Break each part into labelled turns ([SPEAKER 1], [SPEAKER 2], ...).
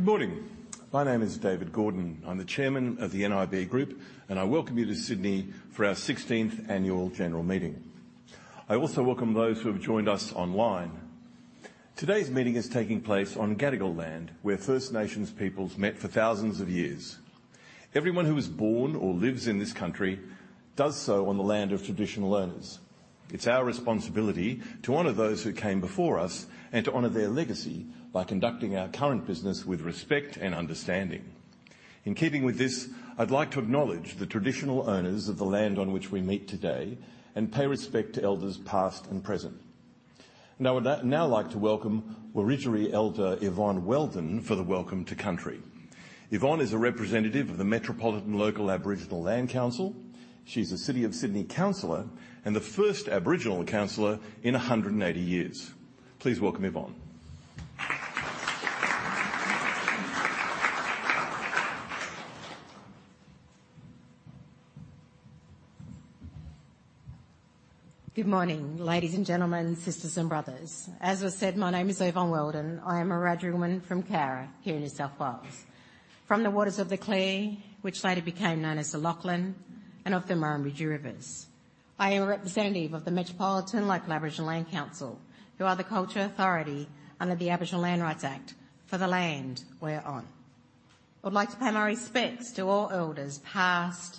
[SPEAKER 1] Good morning. My name is David Gordon. I'm the chairman of the nib Group, and I welcome you to Sydney for our 16th Annual General Meeting. I also welcome those who have joined us online. Today's meeting is taking place on Gadigal land, where First Nations peoples met for thousands of years. Everyone who was born or lives in this country does so on the land of traditional owners. It's our responsibility to honor those who came before us and to honor their legacy by conducting our current business with respect and understanding. In keeping with this, I'd like to acknowledge the traditional owners of the land on which we meet today and pay respect to elders, past and present. Now, I'd like to welcome Wiradjuri elder Yvonne Weldon for the Welcome to Country. Yvonne is a representative of the Metropolitan Local Aboriginal Land Council. She's a City of Sydney counselor and the first Aboriginal counselor in 180 years. Please welcome Yvonne.
[SPEAKER 2] Good morning, ladies and gentlemen, sisters, and brothers. As was said, my name is Yvonne Weldon. I am a Wiradjuri woman from Cowra, here in New South Wales, from the waters of the Clear, which later became known as the Lachlan, and of the Murrumbidgee Rivers. I am a representative of the Metropolitan Local Aboriginal Land Council, who are the cultural authority under the Aboriginal Land Rights Act for the land we're on. I would like to pay my respects to all elders, past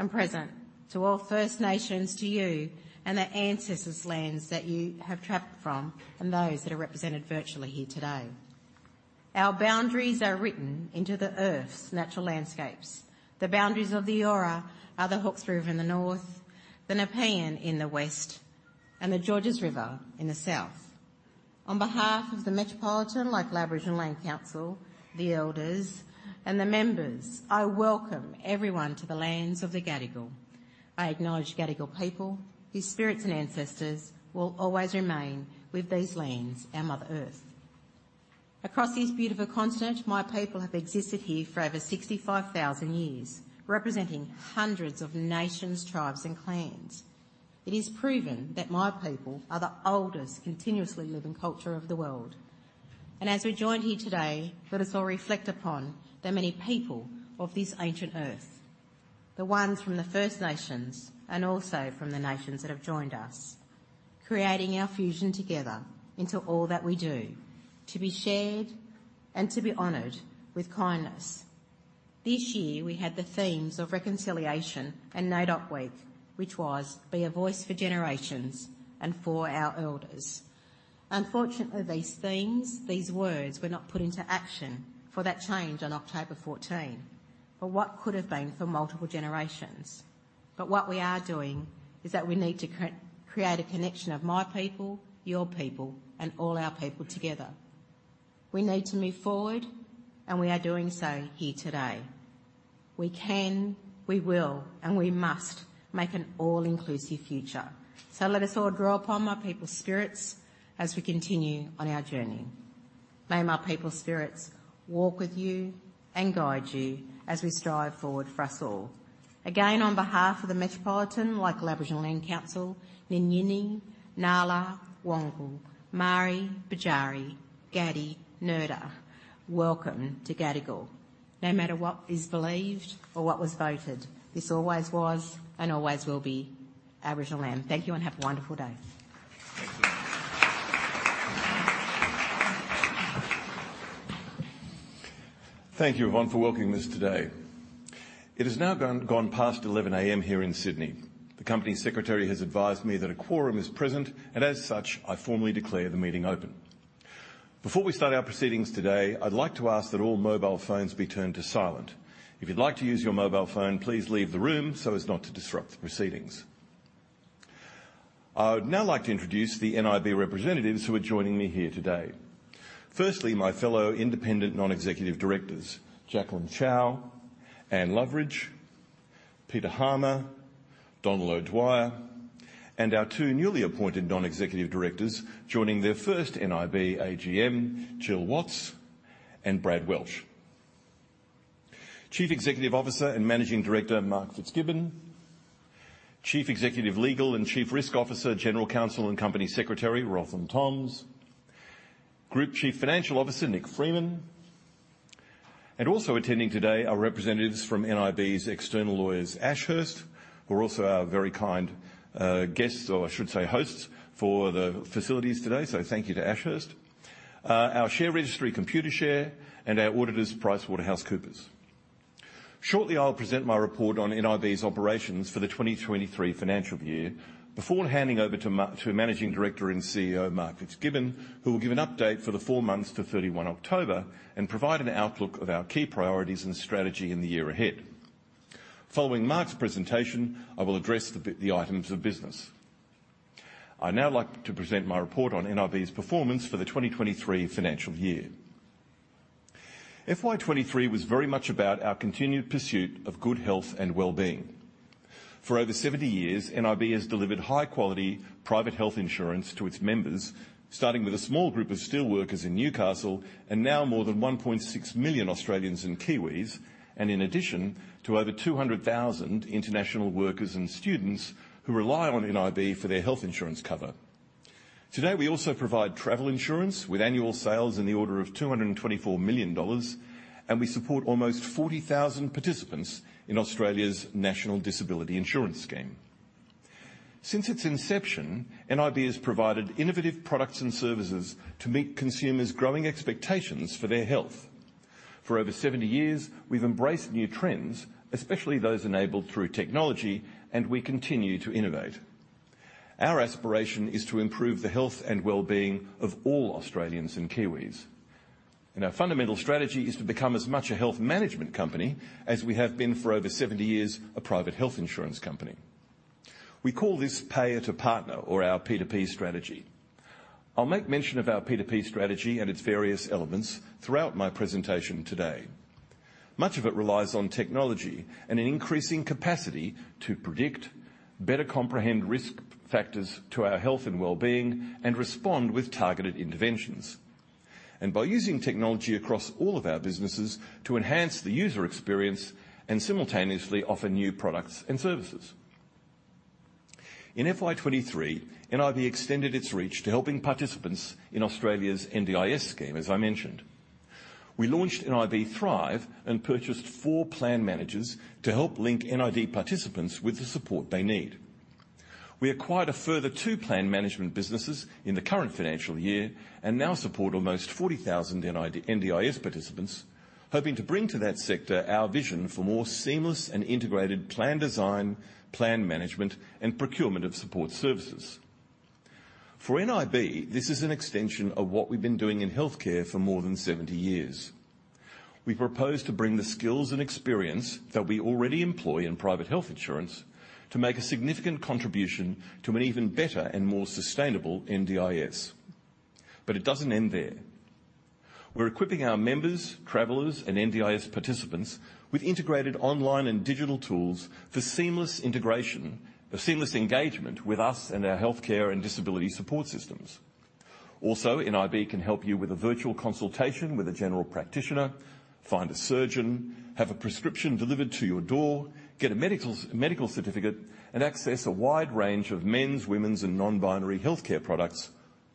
[SPEAKER 2] and present, to all First Nations, to you, and the ancestors' lands that you have traveled from, and those that are represented virtually here today. Our boundaries are written into the Earth's natural landscapes. The boundaries of the Eora are the Hawkesbury River in the north, the Nepean in the west, and the Georges River in the south. On behalf of the Metropolitan Local Aboriginal Land Council, the elders, and the members, I welcome everyone to the lands of the Gadigal. I acknowledge Gadigal people, whose spirits and ancestors will always remain with these lands, our Mother Earth. Across this beautiful continent, my people have existed here for over 65,000 years, representing hundreds of nations, tribes, and clans. It is proven that my people are the oldest continuously living culture of the world. And as we're joined here today, let us all reflect upon the many people of this ancient Earth, the ones from the First Nations and also from the nations that have joined us, creating our fusion together into all that we do, to be shared and to be honored with kindness. This year, we had the themes of reconciliation and NAIDOC Week, which was Be a Voice for Generations and for our Elders. Unfortunately, these themes, these words, were not put into action for that change on October 14, for what could have been for multiple generations. But what we are doing is that we need to create a connection of my people, your people, and all our people together. We need to move forward, and we are doing so here today. We can, we will, and we must make an all-inclusive future. So let us all draw upon my people's spirits as we continue on our journey. May my people's spirits walk with you and guide you as we strive forward for us all. Again, on behalf of the Metropolitan Local Aboriginal Land Council, Nginining, ngala wangal, mari budjari, Gadi nerda. Welcome to Gadigal. No matter what is believed or what was voted, this always was and always will be Aboriginal land. Thank you and have a wonderful day.
[SPEAKER 1] Thank you, Yvonne, for welcoming us today. It has now gone past 11A.M. here in Sydney. The company secretary has advised me that a quorum is present, and as such, I formally declare the meeting open. Before we start our proceedings today, I'd like to ask that all mobile phones be turned to silent. If you'd like to use your mobile phone, please leave the room so as not to disrupt the proceedings. I would now like to introduce the nib representatives who are joining me here today. Firstly, my fellow independent non-executive directors, Jacqueline Chow, Anne Loveridge, Peter Harmer, Don O'Dwyer, and our two newly appointed non-executive directors, joining their first nib AGM, Jill Watts and Brad Welsh. Chief Executive Officer and Managing Director, Mark Fitzgibbon. Chief Executive Legal and Chief Risk Officer, General Counsel and Company Secretary, Roslyn Toms. Group Chief Financial Officer, Nick Freeman. Also attending today are representatives from nib's external lawyers, Ashurst, who are also our very kind, guests, or I should say, hosts, for the facilities today. So thank you to Ashurst. Our share registry, Computershare, and our auditors, PricewaterhouseCoopers. Shortly, I'll present my report on nib's operations for the 2023 financial year before handing over to Managing Director and CEO, Mark Fitzgibbon, who will give an update for the four months to 31 October and provide an outlook of our key priorities and strategy in the year ahead. Following Mark's presentation, I will address the items of business. I'd now like to present my report on nib's performance for the 2023 financial year. FY 2023 was very much about our continued pursuit of good health and well-being. For over 70 years, nib has delivered high-quality private health insurance to its members, starting with a small group of steelworkers in Newcastle and now more than 1.6 million Australians and Kiwis, and in addition to over 200,000 international workers and students who rely on nib for their health insurance cover. Today, we also provide travel insurance with annual sales in the order of 224 million dollars, and we support almost 40,000 participants in Australia's National Disability Insurance Scheme. Since its inception, nib has provided innovative products and services to meet consumers' growing expectations for their health. For over 70 years, we've embraced new trends, especially those enabled through technology, and we continue to innovate. Our aspiration is to improve the health and well-being of all Australians and Kiwis, and our fundamental strategy is to become as much a health management company as we have been for over 70 years, a private health insurance company. We call this payer-to-partner, or our P2P Strategy. I'll make mention of our P2P Strategy and its various elements throughout my presentation today. Much of it relies on technology and an increasing capacity to predict, better comprehend risk factors to our health and well-being, and respond with targeted interventions, and by using technology across all of our businesses to enhance the user experience and simultaneously offer new products and services. In FY 2023, nib extended its reach to helping participants in Australia's NDIS scheme, as I mentioned. We launched nib Thrive and purchased four plan managers to help link nib participants with the support they need. We acquired a further two plan management businesses in the current financial year and now support almost 40,000 NDIS participants, hoping to bring to that sector our vision for more seamless and integrated plan design, plan management, and procurement of support services. For nib, this is an extension of what we've been doing in healthcare for more than 70 years. We propose to bring the skills and experience that we already employ in private health insurance to make a significant contribution to an even better and more sustainable NDIS. But it doesn't end there. We're equipping our members, travelers, and NDIS participants with integrated online and digital tools for seamless engagement with us and our healthcare and disability support systems. Also, nib can help you with a virtual consultation with a general practitioner, find a surgeon, have a prescription delivered to your door, get a medical certificate, and access a wide range of men's, women's, and non-binary healthcare products,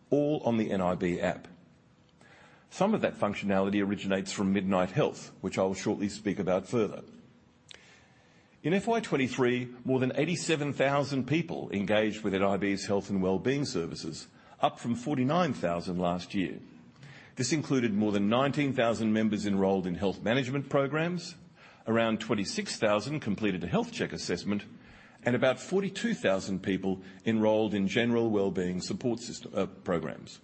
[SPEAKER 1] all on the nib App. Some of that functionality originates from Midnight Health, which I will shortly speak about further. In FY 2023, more than 87,000 people engaged with nib's health and wellbeing services, up from 49,000 last year. This included more than 19,000 members enrolled in health management programs, around 26,000 completed a health check assessment, and about 42,000 people enrolled in general wellbeing support system programs.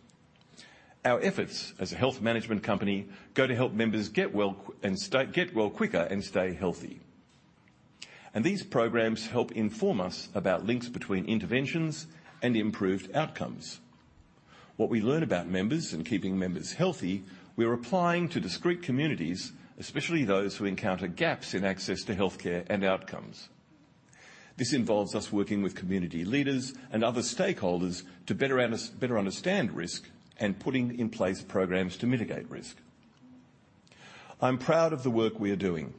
[SPEAKER 1] Our efforts as a health management company go to help members get well and stay-- get well quicker and stay healthy, and these programs help inform us about links between interventions and improved outcomes. What we learn about members and keeping members healthy, we are applying to discrete communities, especially those who encounter gaps in access to healthcare and outcomes. This involves us working with community leaders and other stakeholders to better understand risk and putting in place programs to mitigate risk. I'm proud of the work we are doing.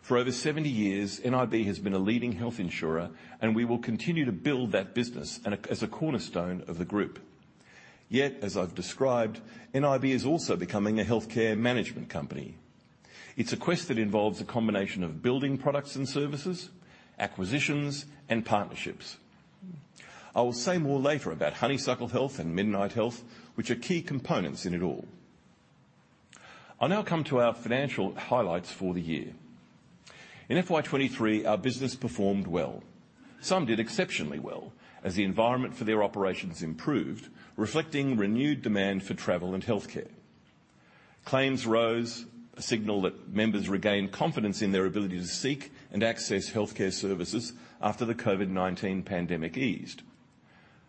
[SPEAKER 1] For over 70 years, nib has been a leading health insurer, and we will continue to build that business and as a cornerstone of the group. Yet, as I've described, nib is also becoming a healthcare management company. It's a quest that involves a combination of building products and services, acquisitions, and partnerships. I will say more later about Honeysuckle Health and Midnight Health, which are key components in it all. I'll now come to our financial highlights for the year. In FY 2023, our business performed well. Some did exceptionally well, as the environment for their operations improved, reflecting renewed demand for travel and healthcare. Claims rose, a signal that members regained confidence in their ability to seek and access healthcare services after the COVID-19 pandemic eased.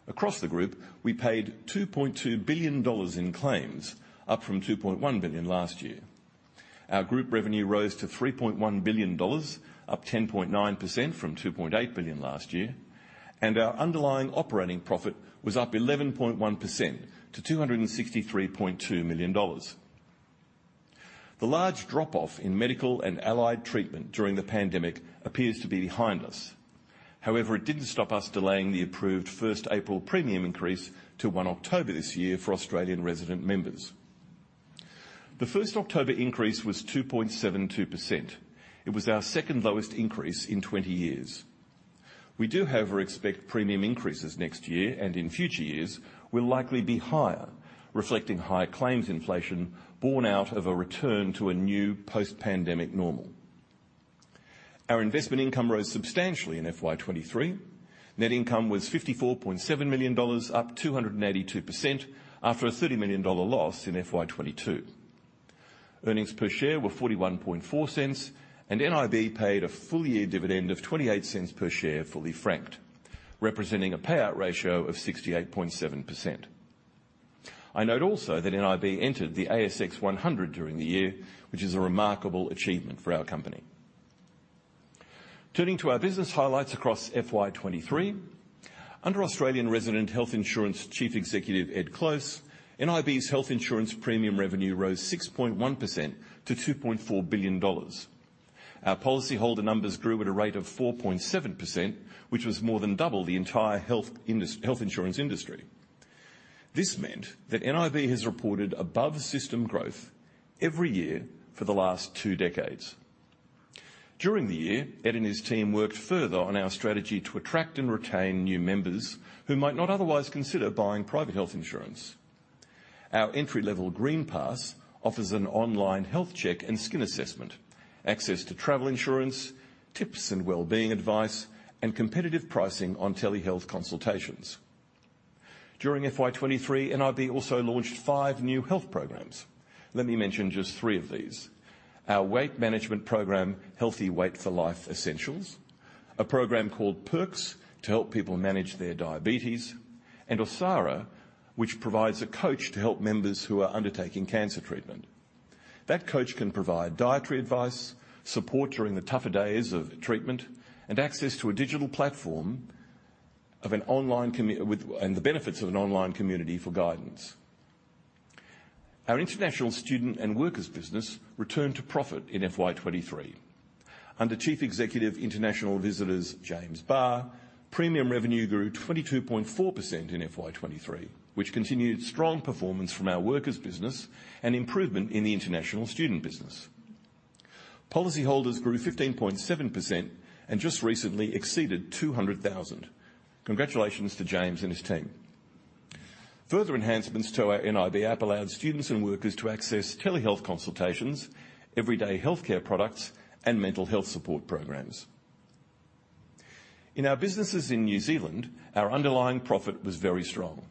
[SPEAKER 1] Across the group, we paid 2.2 billion dollars in claims, up from 2.1 billion last year. Our group revenue rose to 3.1 billion dollars, up 10.9% from 2.8 billion last year, and our underlying operating profit was up 11.1% to 263.2 million dollars. The large drop-off in medical and allied treatment during the pandemic appears to be behind us. However, it didn't stop us delaying the approved 1 April premium increase to 1 October this year for Australian resident members. The 1 October increase was 2.72%. It was our second lowest increase in 20 years. We do, however, expect premium increases next year, and in future years will likely be higher, reflecting higher claims inflation borne out of a return to a new post-pandemic normal. Our investment income rose substantially in FY 2023. Net income was AUD 54.7 million, up 282%, after a AUD 30 million loss in FY 2022. Earnings per share were 0.414, and nib paid a full-year dividend of 0.28 per share, fully franked, representing a payout ratio of 68.7%. I note also that nib entered the ASX 100 during the year, which is a remarkable achievement for our company. Turning to our business highlights across FY 2023. Under Australian Residents Health Insurance Chief Executive Ed Close, nib's health insurance premium revenue rose 6.1% to 2.4 billion dollars. Our policyholder numbers grew at a rate of 4.7%, which was more than double the entire health insurance industry. This meant that nib has reported above-system growth every year for the last two decades. During the year, Ed and his team worked further on our strategy to attract and retain new members who might not otherwise consider buying private health insurance. Our entry-level GreenPass offers an online health check and skin assessment, access to travel insurance, tips and wellbeing advice, and competitive pricing on telehealth consultations. During FY 2023, nib also launched five new health programs. Let me mention just three of these: Our weight management program, Healthy Weight for Life Essentials, a program called Perx to help people manage their diabetes, and Osara, which provides a coach to help members who are undertaking cancer treatment. That coach can provide dietary advice, support during the tougher days of treatment, and access to a digital platform of an online community, and the benefits of an online community for guidance. Our international student and workers business returned to profit in FY 2023. Under Chief Executive International Visitors, James Barr, premium revenue grew 22.4% in FY 2023, which continued strong performance from our workers business and improvement in the international student business. Policyholders grew 15.7% and just recently exceeded 200,000. Congratulations to James and his team. Further enhancements to our nib App allowed students and workers to access telehealth consultations, everyday healthcare products, and mental health support programs. In our businesses in New Zealand, our underlying profit was very strong.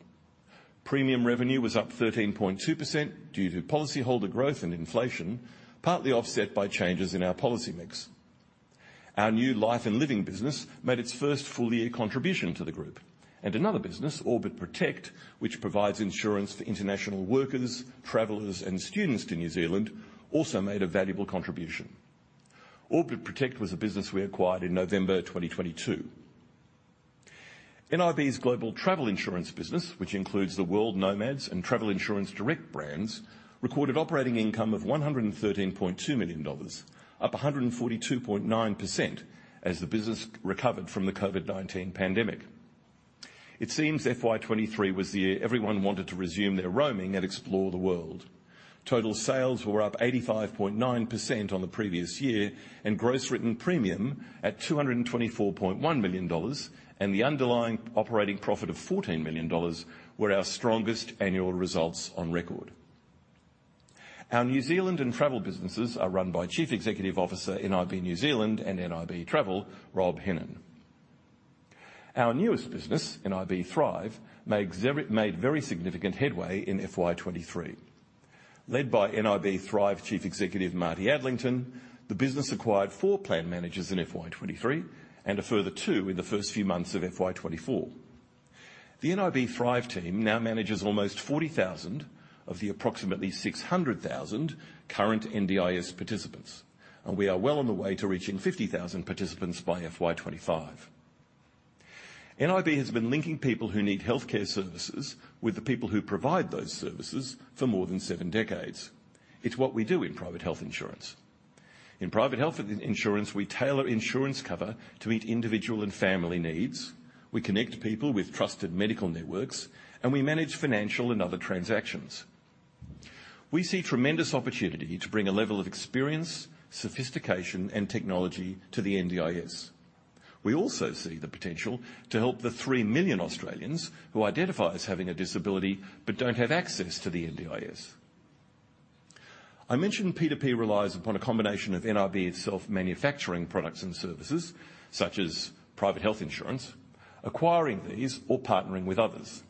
[SPEAKER 1] Premium revenue was up 13.2% due to policyholder growth and inflation, partly offset by changes in our policy mix. Our new life and living business made its first full year contribution to the group, and another business, Orbit Protect, which provides insurance for international workers, travelers, and students to New Zealand, also made a valuable contribution. Orbit Protect was a business we acquired in November 2022. nib's global travel insurance business, which includes the World Nomads and Travel Insurance Direct brands, recorded operating income of 113.2 million dollars, up 142.9% as the business recovered from the COVID-19 pandemic. It seems FY 2023 was the year everyone wanted to resume their roaming and explore the world. Total sales were up 85.9% on the previous year, and gross written premium at AUD 224.1 million, and the underlying operating profit of AUD 14 million were our strongest annual results on record. Our New Zealand and travel businesses are run by Chief Executive Officer, nib New Zealand and nib Travel, Rob Hennin. Our newest business, nib Thrive, made very significant headway in FY 2023. Led by nib Thrive Chief Executive Martin Adlington, the business acquired four plan managers in FY 2023 and a further two in the first few months of FY 2024. The nib Thrive team now manages almost 40,000 of the approximately 600,000 current NDIS participants, and we are well on the way to reaching 50,000 participants by FY 2025. nib has been linking people who need healthcare services with the people who provide those services for more than seven decades. It's what we do in private health insurance. In private health insurance, we tailor insurance cover to meet individual and family needs, we connect people with trusted medical networks, and we manage financial and other transactions. We see tremendous opportunity to bring a level of experience, sophistication, and technology to the NDIS. We also see the potential to help the three million Australians who identify as having a disability but don't have access to the NDIS. I mentioned P2P relies upon a combination of nib itself, manufacturing products and services such as private health insurance, acquiring these or partnering with others.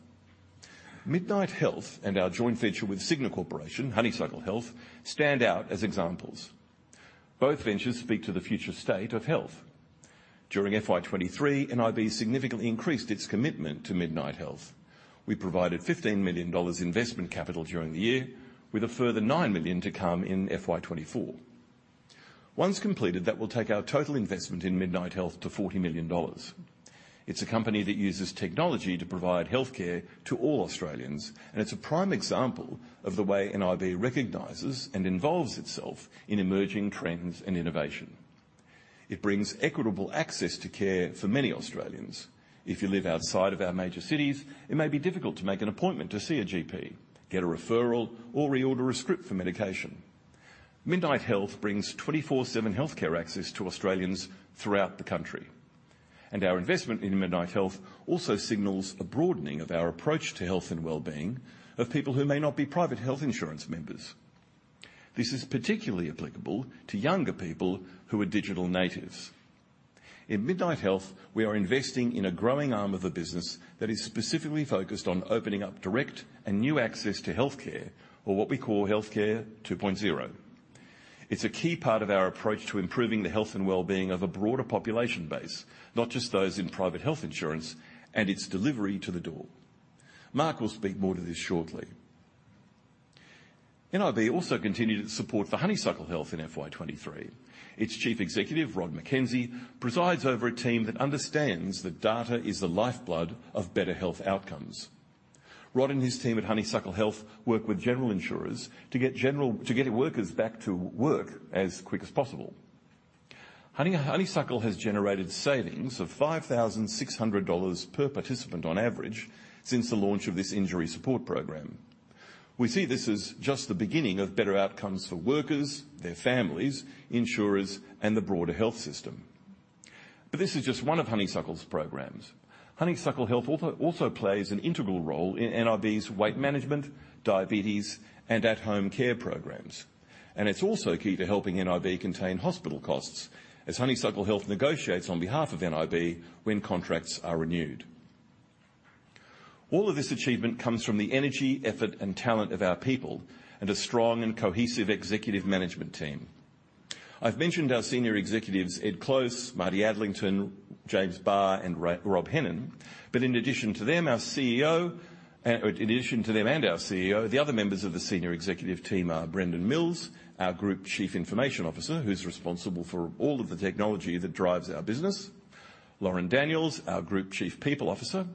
[SPEAKER 1] Midnight Health and our joint venture with Cigna Corporation, Honeysuckle Health, stand out as examples. Both ventures speak to the future state of health. During FY 2023, nib significantly increased its commitment to Midnight Health. We provided 15 million dollars investment capital during the year, with a further 9 million to come in FY 2024. Once completed, that will take our total investment in Midnight Health to 40 million dollars. It's a company that uses technology to provide healthcare to all Australians, and it's a prime example of the way nib recognizes and involves itself in emerging trends and innovation. It brings equitable access to care for many Australians. If you live outside of our major cities, it may be difficult to make an appointment to see a GP, get a referral, or reorder a script for medication. Midnight Health brings 24/7 healthcare access to Australians throughout the country, and our investment in Midnight Health also signals a broadening of our approach to health and well-being of people who may not be private health insurance members. This is particularly applicable to younger people who are digital natives. In Midnight Health, we are investing in a growing arm of a business that is specifically focused on opening up direct and new access to healthcare or what we call Healthcare 2.0. It's a key part of our approach to improving the health and well-being of a broader population base, not just those in private health insurance and its delivery to the door. Mark will speak more to this shortly. nib also continued to support for Honeysuckle Health in FY 2023. Its Chief Executive, Rhod McKensey, presides over a team that understands that data is the lifeblood of better health outcomes. Rod and his team at Honeysuckle Health work with general insurers to get workers back to work as quick as possible. Honeysuckle has generated savings of 5,600 dollars per participant on average since the launch of this injury support program. We see this as just the beginning of better outcomes for workers, their families, insurers, and the broader health system. But this is just one of Honeysuckle's programs. Honeysuckle Health also, also plays an integral role in nib's weight management, diabetes, and at-home care programs, and it's also key to helping nib contain hospital costs as Honeysuckle Health negotiates on behalf of nib when contracts are renewed. All of this achievement comes from the energy, effort, and talent of our people and a strong and cohesive executive management team. I've mentioned our senior executives, Ed Close, Marty Adlington, James Barr, and Rob Hennin. But in addition to them, our CEO, in addition to them and our CEO, the other members of the senior executive team are Brendan Mills, our Group Chief Information Officer, who's responsible for all of the technology that drives our business; Lauren Daniels, our Group Chief People Officer;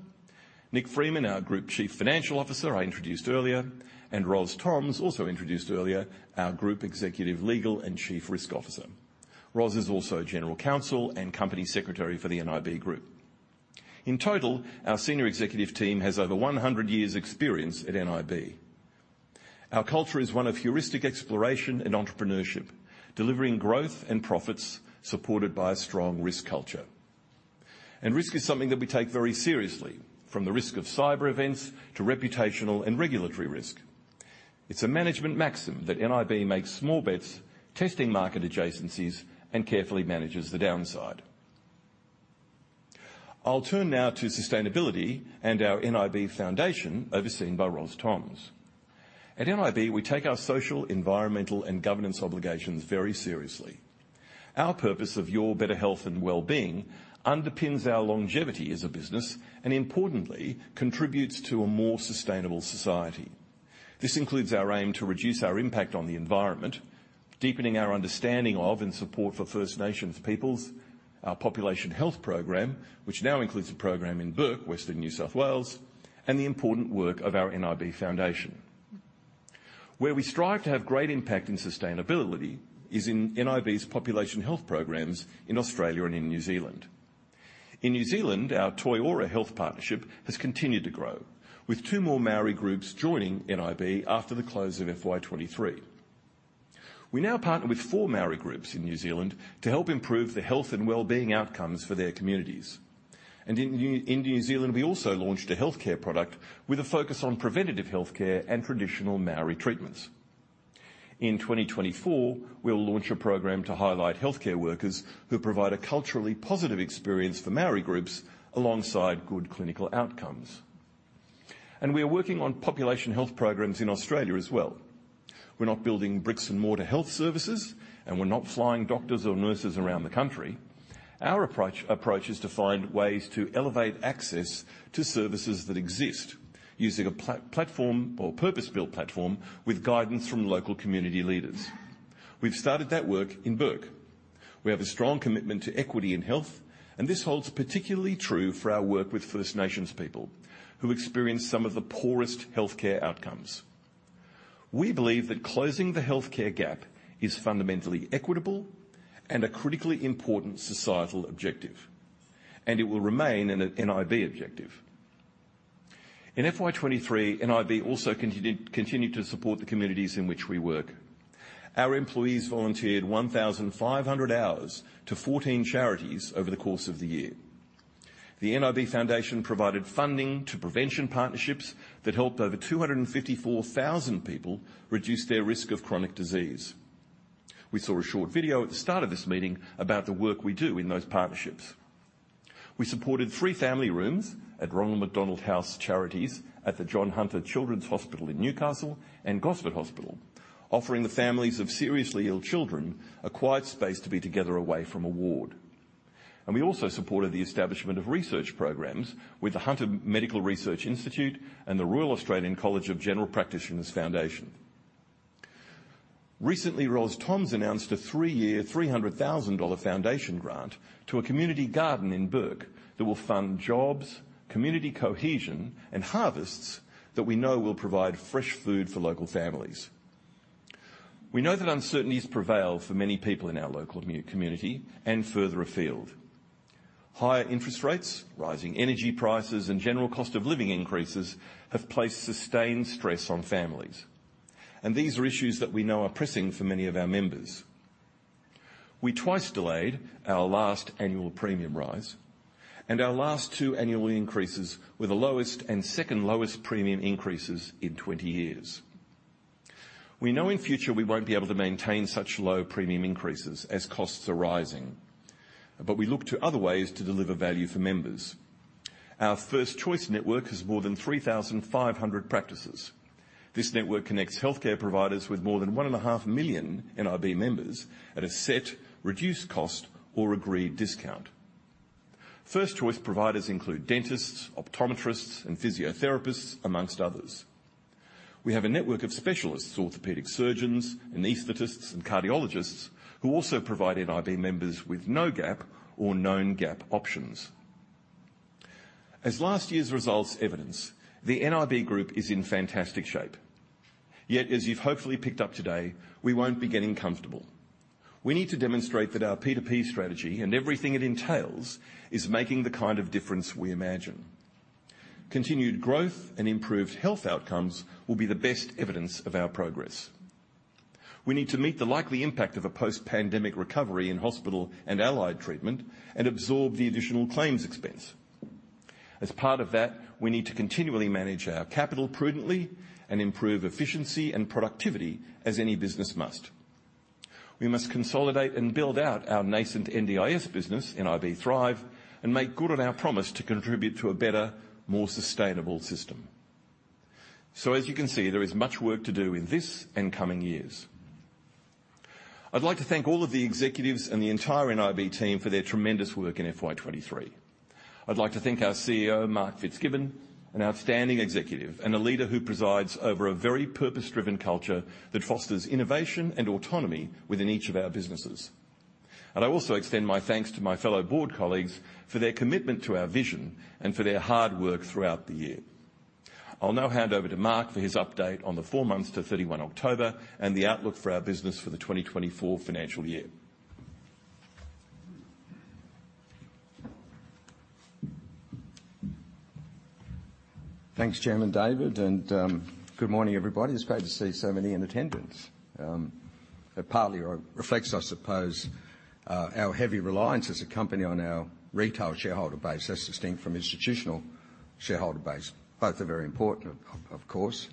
[SPEAKER 1] Nick Freeman, our Group Chief Financial Officer, I introduced earlier; and Roslyn Toms, also introduced earlier, our Group Executive Legal and Chief Risk Officer. Ros is also General Counsel and Company Secretary for the nib Group. In total, our senior executive team has over 100 years experience at nib. Our culture is one of heuristic exploration and entrepreneurship, delivering growth and profits supported by a strong risk culture. Risk is something that we take very seriously, from the risk of cyber events to reputational and regulatory risk. It's a management maxim that nib makes small bets, testing market adjacencies, and carefully manages the downside. I'll turn now to sustainability and our nib foundation, overseen by Roslyn Toms. At nib, we take our social, environmental, and governance obligations very seriously. Our purpose of your better health and well-being underpins our longevity as a business, and importantly, contributes to a more sustainable society. This includes our aim to reduce our impact on the environment, deepening our understanding of and support for First Nations peoples, our population health program, which now includes a program in Bourke, Western New South Wales, and the important work of our nib foundation. Where we strive to have great impact in sustainability is in nib's population health programs in Australia and in New Zealand. In New Zealand, our Toi Ora Health Partnership has continued to grow, with two more Māori groups joining nib after the close of FY 2023. We now partner with four Māori groups in New Zealand to help improve the health and well-being outcomes for their communities. And in New Zealand, we also launched a healthcare product with a focus on preventative healthcare and traditional Māori treatments. In 2024, we'll launch a program to highlight healthcare workers who provide a culturally positive experience for Māori groups alongside good clinical outcomes. We are working on population health programs in Australia as well. We're not building bricks-and-mortar health services, and we're not flying doctors or nurses around the country. Our approach is to find ways to elevate access to services that exist, using a platform or purpose-built platform with guidance from local community leaders. We've started that work in Bourke. We have a strong commitment to equity and health, and this holds particularly true for our work with First Nations people, who experience some of the poorest healthcare outcomes. We believe that closing the healthcare gap is fundamentally equitable and a critically important societal objective, and it will remain an nib objective. In FY 2023, nib also continued to support the communities in which we work. Our employees volunteered 1,500 hours to 14 charities over the course of the year. The nib foundation provided funding to prevention partnerships that helped over 254,000 people reduce their risk of chronic disease. We saw a short video at the start of this meeting about the work we do in those partnerships. We supported three family rooms at Ronald McDonald House Charities at the John Hunter Children's Hospital in Newcastle and Gosford Hospital, offering the families of seriously ill children a quiet space to be together away from a ward. We also supported the establishment of research programs with the Hunter Medical Research Institute and the Royal Australian College of General Practitioners Foundation. Recently, Roslyn Toms announced a three-year, AUD 300,000 foundation grant to a community garden in Bourke that will fund jobs, community cohesion, and harvests that we know will provide fresh food for local families. We know that uncertainties prevail for many people in our local community and further afield. Higher interest rates, rising energy prices, and general cost of living increases have placed sustained stress on families, and these are issues that we know are pressing for many of our members. We twice delayed our last annual premium rise, and our last two annual increases were the lowest and second lowest premium increases in 20 years. We know in future we won't be able to maintain such low premium increases as costs are rising, but we look to other ways to deliver value for members. Our First Choice Network has more than 3,500 practices. This network connects healthcare providers with more than 1.5 million nib members at a set reduced cost or agreed discount. First Choice providers include dentists, optometrists, and physiotherapists, among others. We have a network of specialists, orthopedic surgeons, anesthetists, and cardiologists, who also provide nib members with no-gap or known-gap options. As last year's results evidence, the nib Group is in fantastic shape. Yet, as you've hopefully picked up today, we won't be getting comfortable. We need to demonstrate that our P2P Strategy and everything it entails is making the kind of difference we imagine. Continued growth and improved health outcomes will be the best evidence of our progress. We need to meet the likely impact of a post-pandemic recovery in hospital and allied treatment and absorb the additional claims expense. As part of that, we need to continually manage our capital prudently and improve efficiency and productivity as any business must. We must consolidate and build out our nascent NDIS business, nib Thrive, and make good on our promise to contribute to a better, more sustainable system. So as you can see, there is much work to do in this and coming years. I'd like to thank all of the executives and the entire nib team for their tremendous work in FY 2023. I'd like to thank our CEO, Mark Fitzgibbon, an outstanding executive and a leader who presides over a very purpose-driven culture that fosters innovation and autonomy within each of our businesses. I also extend my thanks to my fellow board colleagues for their commitment to our vision and for their hard work throughout the year. I'll now hand over to Mark for his update on the four months to 31 October and the outlook for our business for the 2024 financial year.
[SPEAKER 3] Thanks, Chairman David, and good morning, everybody. It's great to see so many in attendance. It partly reflects, I suppose, our heavy reliance as a company on our retail shareholder base, as distinct from institutional shareholder base. Both are very important, of course,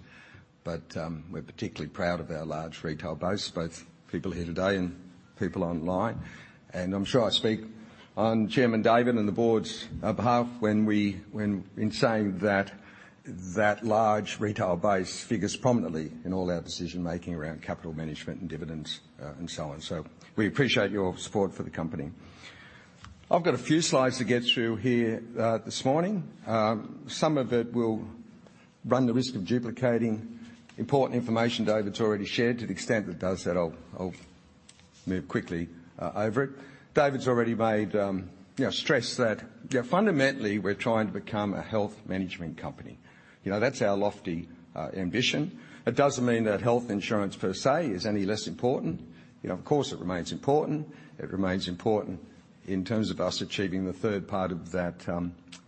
[SPEAKER 3] but we're particularly proud of our large retail base, both people here today and people online. And I'm sure I speak on Chairman David and the board's behalf when I say that large retail base figures prominently in all our decision-making around capital management and dividends, and so on. So we appreciate your support for the company. I've got a few slides to get through here, this morning. Some of it will run the risk of duplicating important information David's already shared. To the extent that it does that, I'll move quickly over it. David's already made you know stress that, yeah, fundamentally, we're trying to become a health management company. You know, that's our lofty ambition. It doesn't mean that health insurance per se is any less important. You know, of course, it remains important. It remains important in terms of us achieving the third part of that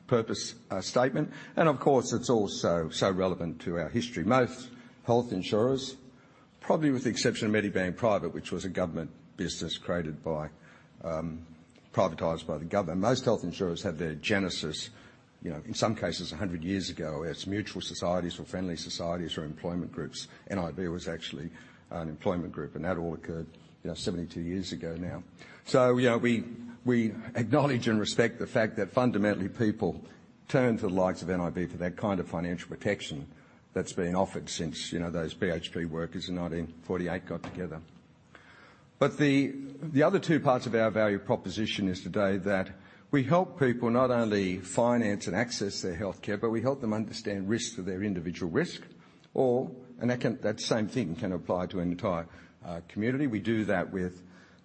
[SPEAKER 3] purpose statement. And of course, it's also so relevant to our history. Most health insurers, probably with the exception of Medibank Private, which was a government business created by, privatized by the government, most health insurers have their genesis, you know, in some cases, 100 years ago, as mutual societies or friendly societies or employment groups. nib was actually an employment group, and that all occurred, you know, 72 years ago now. So you know, we acknowledge and respect the fact that fundamentally, people turn to the likes of nib for that kind of financial protection that's been offered since, you know, those BHP workers in 1948 got together. But the other two parts of our value proposition is today that we help people not only finance and access their healthcare, but we help them understand risks to their individual risk, or, and that can... That same thing can apply to an entire, community. We do that with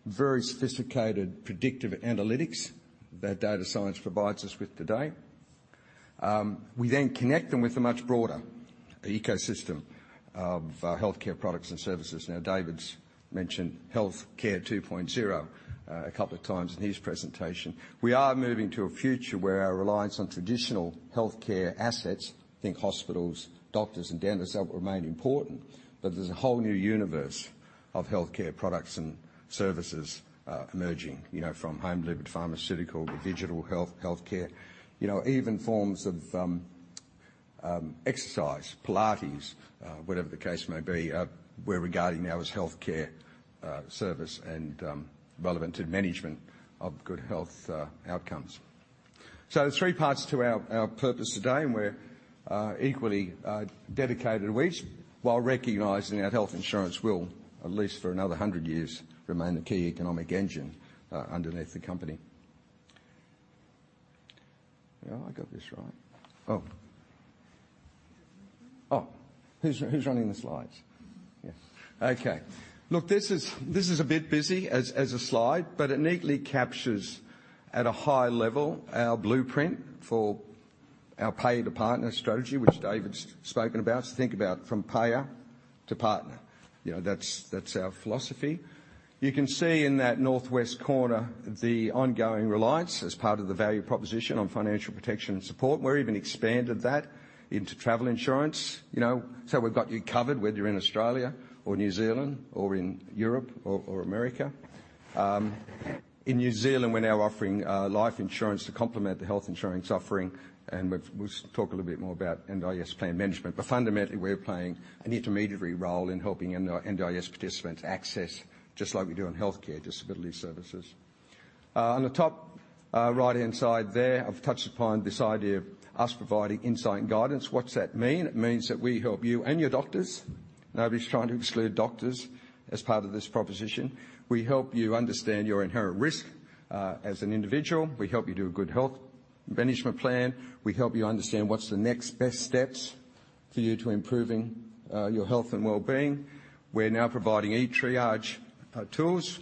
[SPEAKER 3] very sophisticated predictive analytics that data science provides us with today. We then connect them with a much broader ecosystem of, healthcare products and services. Now, David's mentioned Healthcare 2.0, a couple of times in his presentation. We are moving to a future where our reliance on traditional healthcare assets, think hospitals, doctors and dentists, they'll remain important, but there's a whole new universe of healthcare products and services, emerging, you know, from home delivered pharmaceutical to digital health, healthcare. You know, even forms of exercise, Pilates, whatever the case may be, we're regarding now as healthcare service and relevant to management of good health outcomes. So there are three parts to our purpose today, and we're equally dedicated to each, while recognizing that health insurance will, at least for another 100 years, remain the key economic engine underneath the company. Yeah, I got this right. Oh. Oh, who's running the slides? Yes. Okay. Look, this is a bit busy as a slide, but it neatly captures at a high level our blueprint for our payer to partner strategy, which David's spoken about. So think about from payer to partner. You know, that's our philosophy. You can see in that northwest corner, the ongoing reliance as part of the value proposition on financial protection and support. We're even expanded that into travel insurance, you know, so we've got you covered whether you're in Australia or New Zealand or in Europe or America. In New Zealand, we're now offering life insurance to complement the health insurance offering, and we'll talk a little bit more about NDIS plan management. But fundamentally, we're playing an intermediary role in helping NDIS participants access, just like we do in healthcare, disability services. On the top, right-hand side there, I've touched upon this idea of us providing insight and guidance. What's that mean? It means that we help you and your doctors. Nobody's trying to exclude doctors as part of this proposition. We help you understand your inherent risk, as an individual. We help you do a good health management plan. We help you understand what's the next best steps for you to improving, your health and well-being. We're now providing eTriage tools,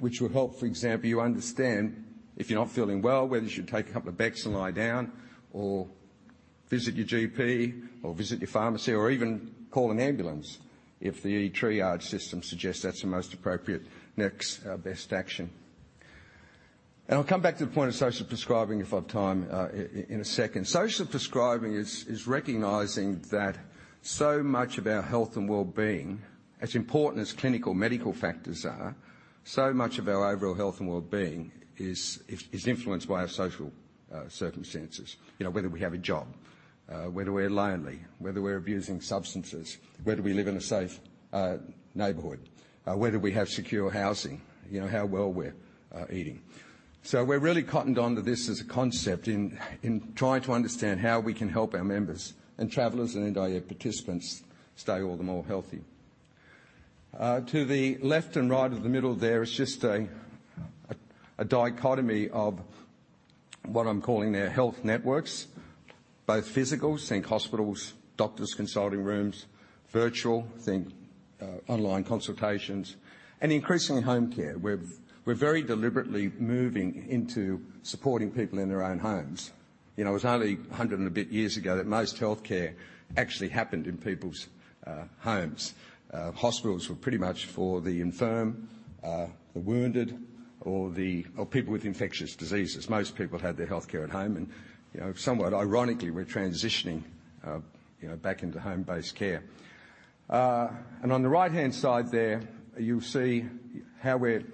[SPEAKER 3] which would help, for example, you understand if you're not feeling well, whether you should take a couple of Bex and lie down, or visit your GP, or visit your pharmacy, or even call an ambulance if the eTriage system suggests that's the most appropriate next, best action. I'll come back to the point of social prescribing, if I've time, in a second. Social prescribing is recognizing that so much of our health and well-being, as important as clinical medical factors are, so much of our overall health and well-being is influenced by our social circumstances. You know, whether we have a job, whether we're lonely, whether we're abusing substances, whether we live in a safe neighborhood, whether we have secure housing, you know, how well we're eating. So we're really cottoned on to this as a concept in trying to understand how we can help our members and travelers and NDIS participants stay all the more healthy. To the left and right of the middle there is just a dichotomy of what I'm calling their health networks, both physical (think hospitals, doctors, consulting rooms), virtual (think online consultations), and increasingly home care. We're very deliberately moving into supporting people in their own homes. You know, it was only 100 and a bit years ago that most healthcare actually happened in people's homes. Hospitals were pretty much for the infirm, the wounded, or people with infectious diseases. Most people had their healthcare at home, and, you know, somewhat ironically, we're transitioning back into home-based care. And on the right-hand side there, you'll see how we're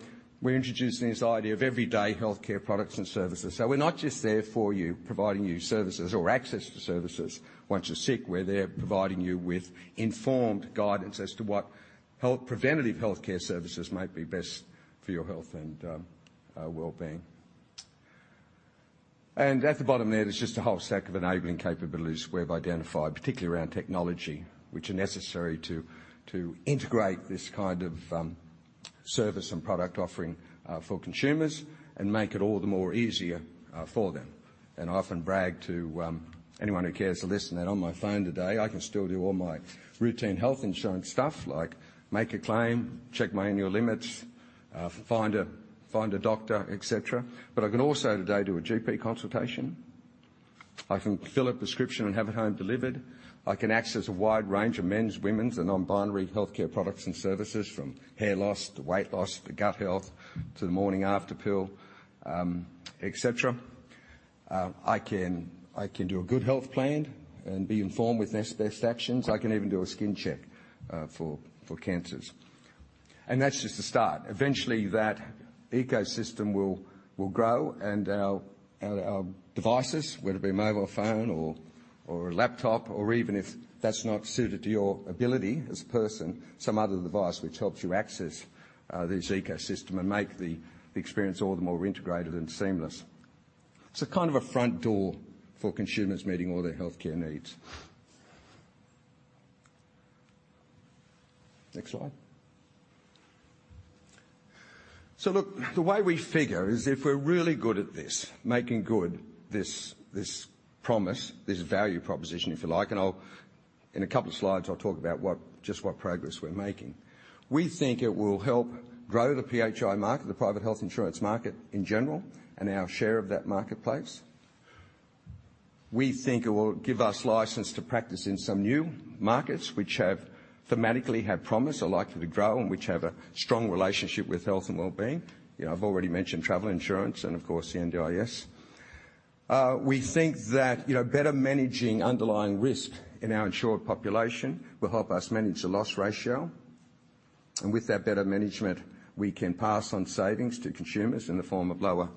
[SPEAKER 3] introducing this idea of everyday healthcare products and services. So we're not just there for you, providing you services or access to services. Once you're sick, we're there providing you with informed guidance as to what health, preventative healthcare services might be best for your health and, well-being. And at the bottom there, there's just a whole stack of enabling capabilities we've identified, particularly around technology, which are necessary to integrate this kind of service and product offering for consumers and make it all the more easier for them. And I often brag to anyone who cares to listen, that on my phone today, I can still do all my routine health insurance stuff, like make a claim, check my annual limits, find a doctor, et cetera. But I can also today do a GP consultation. I can fill a prescription and have it home delivered. I can access a wide range of men's, women's, and non-binary healthcare products and services, from hair loss, to weight loss, to gut health, to the morning after pill, et cetera. I can, I can do a good health plan and be informed with next best actions. I can even do a skin check for cancers. That's just a start. Eventually, that ecosystem will grow, and our devices, whether it be a mobile phone or a laptop, or even if that's not suited to your ability as a person, some other device which helps you access this ecosystem and make the experience all the more integrated and seamless. It's a kind of a front door for consumers meeting all their healthcare needs. Next slide. So look, the way we figure is if we're really good at this, making good this, this promise, this value proposition, if you like, and I'll, in a couple of slides, I'll talk about what, just what progress we're making. We think it will help grow the PHI market, the private health insurance market in general, and our share of that marketplace. We think it will give us license to practice in some new markets which have thematically had promise or likely to grow, and which have a strong relationship with health and well-being. You know, I've already mentioned travel insurance and of course, the NDIS. We think that, you know, better managing underlying risk in our insured population will help us manage the loss ratio, and with that better management, we can pass on savings to consumers in the form of lower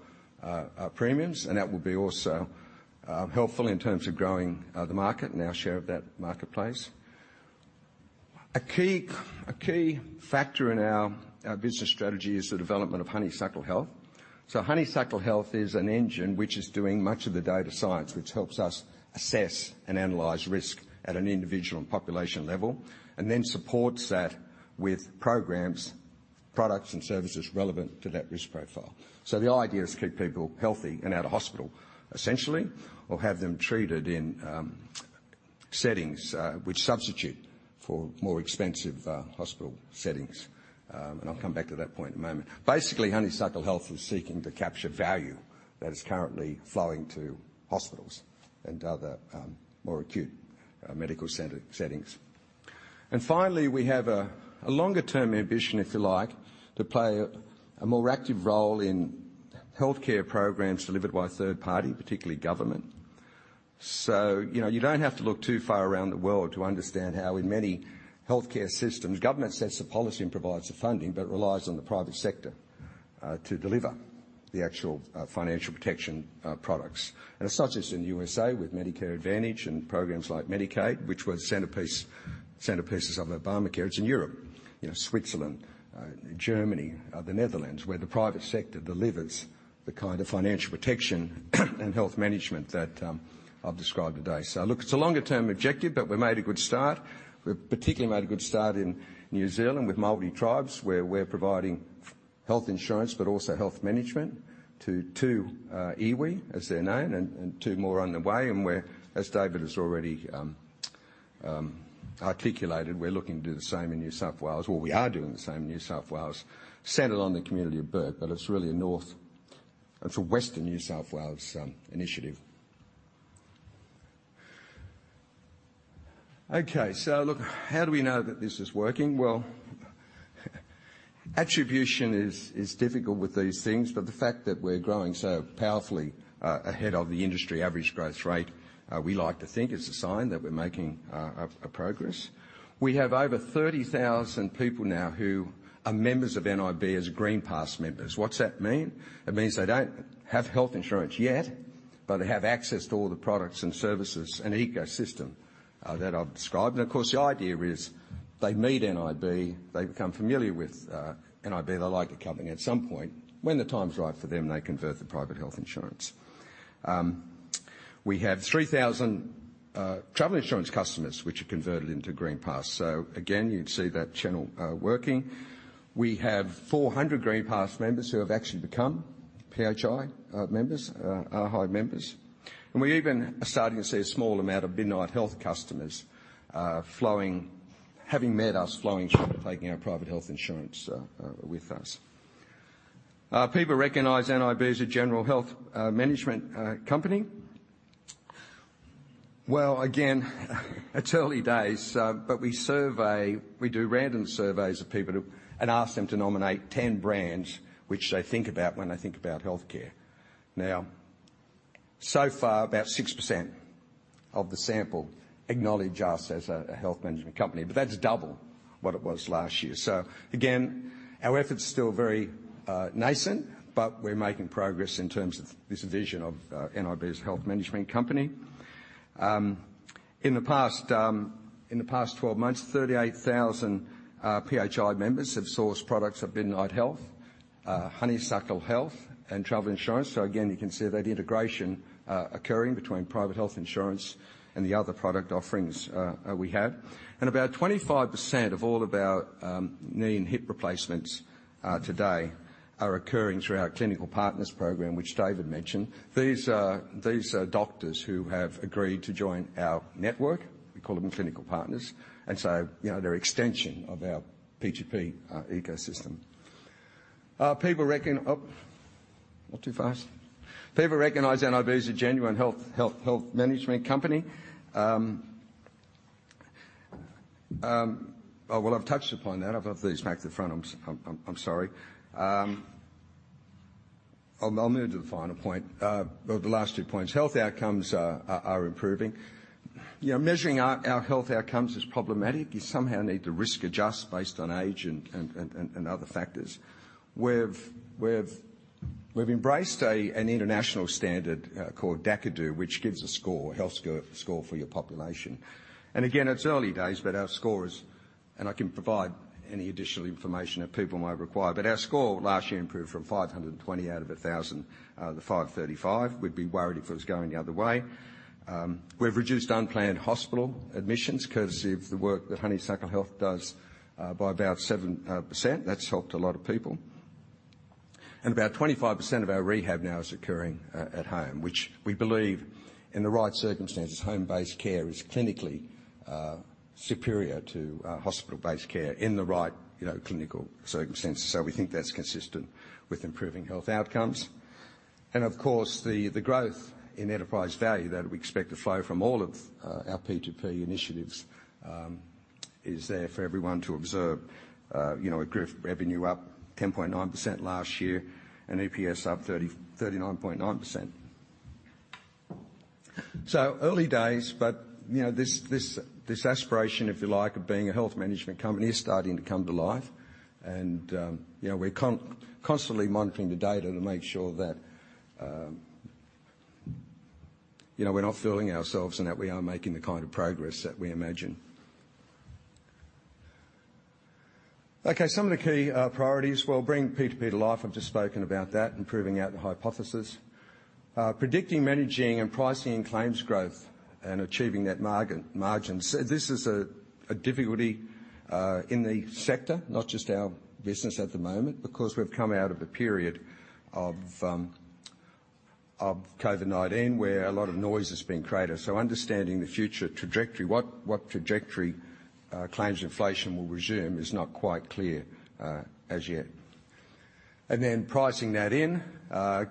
[SPEAKER 3] premiums, and that will be also helpful in terms of growing the market and our share of that marketplace. A key factor in our business strategy is the development of Honeysuckle Health. So Honeysuckle Health is an engine which is doing much of the data science, which helps us assess and analyze risk at an individual and population level, and then supports that with programs, products, and services relevant to that risk profile. So the idea is to keep people healthy and out of hospital, essentially, or have them treated in settings which substitute for more expensive hospital settings. And I'll come back to that point in a moment. Basically, Honeysuckle Health is seeking to capture value that is currently flowing to hospitals and other, more acute, medical center settings. And finally, we have a longer-term ambition, if you like, to play a more active role in healthcare programs delivered by a third party, particularly government. So you know, you don't have to look too far around the world to understand how in many healthcare systems, government sets the policy and provides the funding, but relies on the private sector, to deliver the actual, financial protection, products. And it's such as in USA with Medicare Advantage and programs like Medicaid, which were the centerpiece, centerpieces of Obamacare. It's in Europe.... you know, Switzerland, Germany, the Netherlands, where the private sector delivers the kind of financial protection and health management that I've described today. So look, it's a longer term objective, but we made a good start. We particularly made a good start in New Zealand with Māori tribes, where we're providing health insurance but also health management to two iwi, as they're known, and two more on the way. And we're, as David has already articulated, we're looking to do the same in New South Wales, or we are doing the same in New South Wales, centered on the community of Bourke, but it's really a north... It's a western New South Wales initiative. Okay, so look, how do we know that this is working? Well, attribution is difficult with these things, but the fact that we're growing so powerfully ahead of the industry average growth rate, we like to think it's a sign that we're making progress. We have over 30,000 people now who are members of nib as GreenPass members. What's that mean? It means they don't have health insurance yet, but they have access to all the products and services and ecosystem that I've described. And of course, the idea is they meet nib, they become familiar with nib, they like the company. At some point, when the time is right for them, they convert to private health insurance. We have 3,000 travel insurance customers which are converted into GreenPass. So again, you'd see that channel working. We have 400 GreenPass members who have actually become PHI members, HI members. And we even are starting to see a small amount of Midnight Health customers flowing, having met us, flowing through, and taking our private health insurance with us. People recognize nib as a general health management company. Well, again, it's early days, but we survey, we do random surveys of people and ask them to nominate 10 brands which they think about when they think about healthcare. Now, so far, about 6% of the sample acknowledge us as a health management company, but that's double what it was last year. So again, our efforts are still very nascent, but we're making progress in terms of this vision of nib as a health management company. In the past twelve months, 38,000 PHI members have sourced products of Midnight Health, Honeysuckle Health, and travel insurance. So again, you can see that integration occurring between private health insurance and the other product offerings we have. And about 25% of all of our knee and hip replacements today are occurring through our Clinical Partners Program, which David mentioned. These are doctors who have agreed to join our network. We call them clinical partners, and so, you know, they're extension of our P2P ecosystem. People recognize nib as a genuine health management company. Well, I've touched upon that. I've these back to the front, I'm sorry. I'll move to the final point or the last two points. Health outcomes are improving. You know, measuring our health outcomes is problematic. You somehow need to risk adjust based on age and other factors. We've embraced an international standard called Dacadoo, which gives a health score for your population. And again, it's early days, but our score is... And I can provide any additional information that people might require, but our score last year improved from 520 out of 1,000 to 535. We'd be worried if it was going the other way. We've reduced unplanned hospital admissions courtesy of the work that Honeysuckle Health does by about 7%. That's helped a lot of people. About 25% of our rehab now is occurring at home, which we believe in the right circumstances, home-based care is clinically superior to hospital-based care in the right, you know, clinical circumstances. So we think that's consistent with improving health outcomes. And of course, the growth in enterprise value that we expect to flow from all of our P2P initiatives is there for everyone to observe. You know, growth revenue up 10.9 last year and EPS up 39.9%. So early days, but you know, this, this, this aspiration, if you like, of being a health management company is starting to come to life. You know, we're constantly monitoring the data to make sure that, you know, we're not fooling ourselves and that we are making the kind of progress that we imagine. Okay, some of the key priorities. Well, bringing P2P to life, I've just spoken about that, and proving out the hypothesis. Predicting, managing, and pricing claims growth and achieving net margins. This is a difficulty in the sector, not just our business at the moment, because we've come out of a period of COVID-19, where a lot of noise has been created. So understanding the future trajectory, what trajectory claims inflation will resume, is not quite clear as yet. Then pricing that in,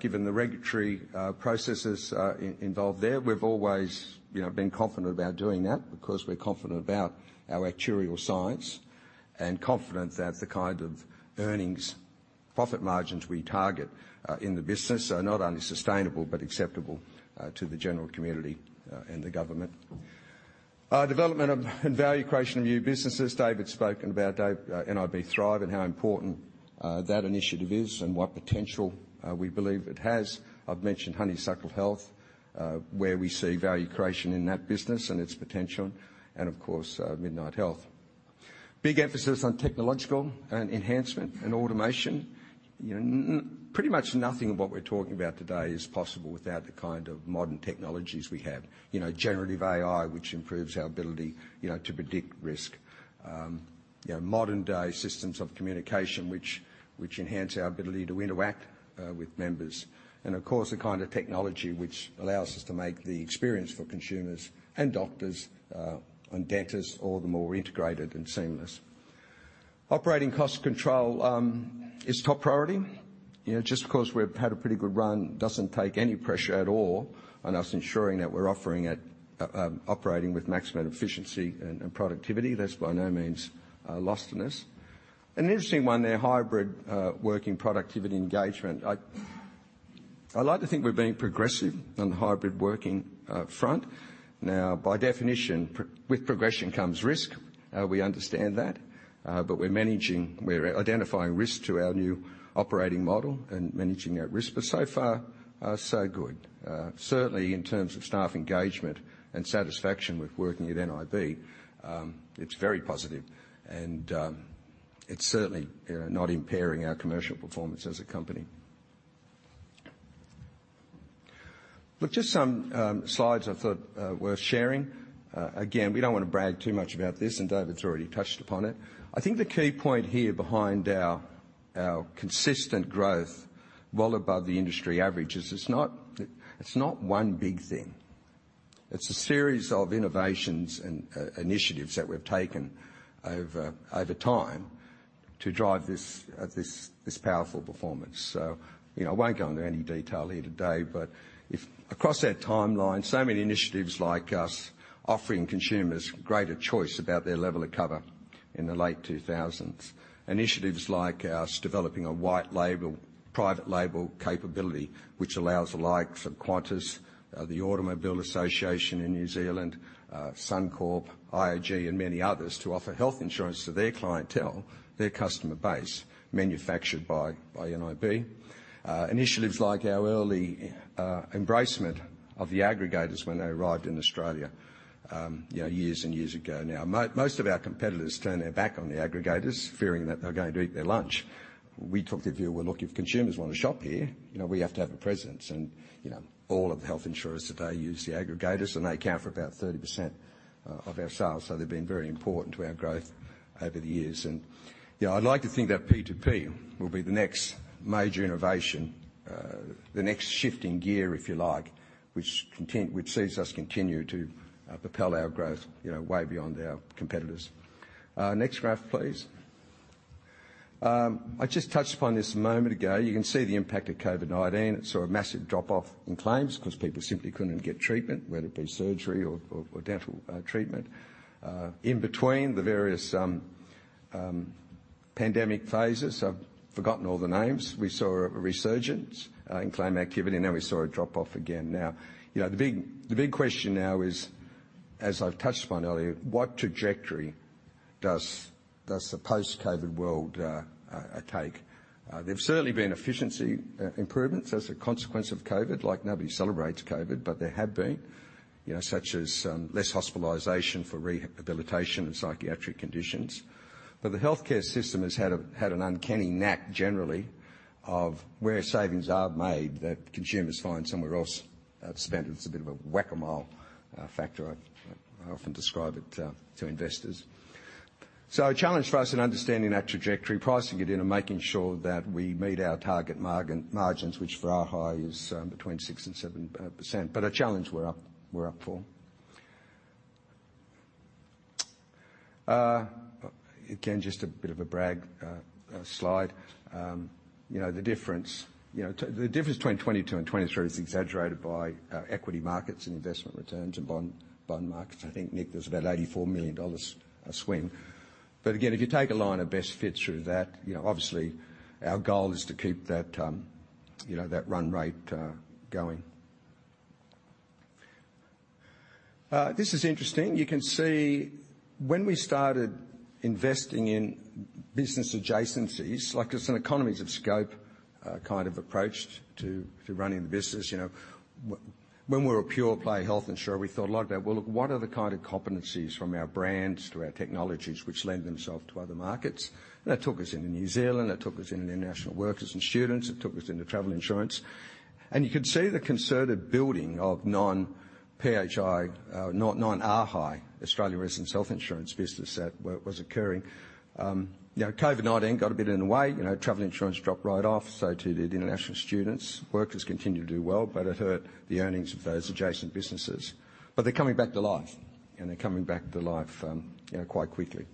[SPEAKER 3] given the regulatory processes involved there, we've always, you know, been confident about doing that because we're confident about our actuarial science, and confident that the kind of earnings, profit margins we target in the business are not only sustainable, but acceptable to the general community and the government. Development of and value creation of new businesses. David spoken about nib Thrive and how important that initiative is and what potential we believe it has. I've mentioned Honeysuckle Health, where we see value creation in that business and its potential, and of course, Midnight Health. Big emphasis on technological and enhancement and automation. You know, pretty much nothing of what we're talking about today is possible without the kind of modern technologies we have. You know, Generative AI, which improves our ability, you know, to predict risk. You know, modern day systems of communication, which enhance our ability to interact with members, and of course, the kind of technology which allows us to make the experience for consumers and doctors and dentists all the more integrated and seamless. Operating cost control is top priority. You know, just because we've had a pretty good run doesn't take any pressure at all on us ensuring that we're offering at operating with maximum efficiency and productivity. That's by no means lost to us. An interesting one there, hybrid working productivity engagement. I like to think we're being progressive on the hybrid working front. Now, by definition, with progression comes risk. We understand that, but we're managing, we're identifying risk to our new operating model and managing our risk, but so far, so good. Certainly in terms of staff engagement and satisfaction with working at nib, it's very positive, and it's certainly, you know, not impairing our commercial performance as a company. Look, just some slides I thought worth sharing. Again, we don't want to brag too much about this, and David's already touched upon it. I think the key point here behind our consistent growth well above the industry average is it's not one big thing. It's a series of innovations and initiatives that we've taken over time to drive this powerful performance. So, you know, I won't go into any detail here today, but if across our timeline, so many initiatives like us offering consumers greater choice about their level of cover in the late 2000s. Initiatives like us developing a white label, private label capability, which allows the likes of Qantas, the Automobile Association in New Zealand, Suncorp, IAG, and many others, to offer health insurance to their clientele, their customer base, manufactured by nib. Initiatives like our early embracement of the aggregators when they arrived in Australia, you know, years and years ago now. Most of our competitors turned their back on the aggregators, fearing that they were going to eat their lunch. We took the view, well, look, if consumers want to shop here, you know, we have to have a presence. You know, all of the health insurers today use the aggregators, and they account for about 30% of our sales, so they've been very important to our growth over the years. You know, I'd like to think that P2P will be the next major innovation, the next shift in gear, if you like, which sees us continue to propel our growth, you know, way beyond our competitors. Next graph, please. I just touched upon this a moment ago. You can see the impact of COVID-19. It saw a massive drop-off in claims because people simply couldn't get treatment, whether it be surgery or dental treatment. In between the various pandemic phases, I've forgotten all the names, we saw a resurgence in claim activity, and then we saw a drop-off again. Now, you know, the big question now is, as I've touched upon earlier, what trajectory does the post-COVID world take? There's certainly been efficiency improvements as a consequence of COVID. Like, nobody celebrates COVID, but there have been, you know, such as less hospitalization for rehabilitation and psychiatric conditions. But the healthcare system has had an uncanny knack, generally, of where savings are made, that consumers find somewhere else to spend. It's a bit of a whack-a-mole factor, I often describe it to investors. So a challenge for us in understanding that trajectory, pricing it in, and making sure that we meet our target margins, which for our HI is 6%-7%, but a challenge we're up for. Again, just a bit of a brag slide. You know, the difference, you know, the difference between 2022 and 2023 is exaggerated by equity markets and investment returns and bond, bond markets. I think, Nick, there's about 84 million dollars swing. But again, if you take a line of best fits through that, you know, obviously our goal is to keep that, you know, that run rate going. This is interesting. You can see when we started investing in business adjacencies, like it's an economies of scope kind of approach to running the business, you know, when we were a pure play health insurer, we thought a lot about, well, look, what are the kind of competencies from our brands to our technologies which lend themselves to other markets? And that took us into New Zealand, that took us into international workers and students. It took us into travel insurance. You can see the concerted building of non-PHI, non-RHI, Australian Residents Health Insurance business that was occurring. You know, COVID-19 got a bit in the way. You know, travel insurance dropped right off. So too did international students. Workers continued to do well, but it hurt the earnings of those adjacent businesses. But they're coming back to life, and they're coming back to life, you know, quite quickly.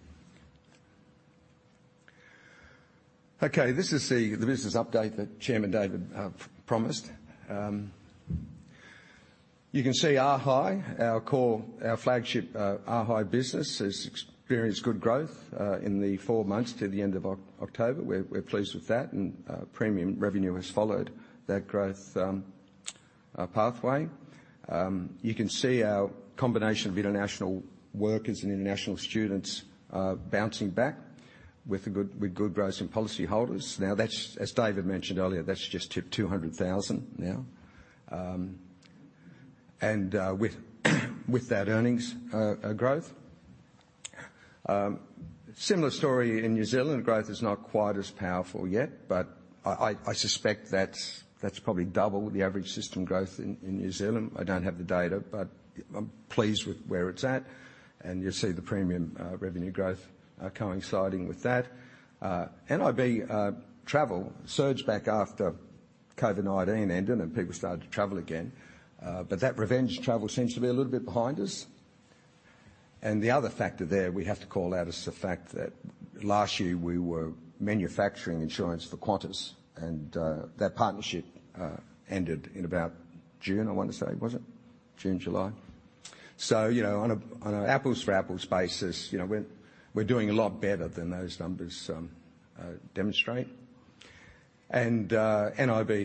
[SPEAKER 3] Okay, this is the business update that Chairman David promised. You can see RHI, our core, our flagship, RHI business, has experienced good growth in the four months to the end of October. We're pleased with that, and premium revenue has followed that growth pathway. You can see our combination of international workers and international students bouncing back with good growth in policyholders. Now, that's, as David mentioned earlier, that's just 200,000 now. And with that earnings growth. Similar story in New Zealand. Growth is not quite as powerful yet, but I suspect that's probably double the average system growth in New Zealand. I don't have the data, but I'm pleased with where it's at, and you'll see the premium revenue growth coinciding with that. nib travel surged back after COVID-19 ended and people started to travel again, but that revenge travel seems to be a little bit behind us. The other factor there we have to call out is the fact that last year we were manufacturing insurance for Qantas, and that partnership ended in about June, I want to say. Was it? June, July. So, you know, on a apples-for-apples basis, you know, we're doing a lot better than those numbers demonstrate. nib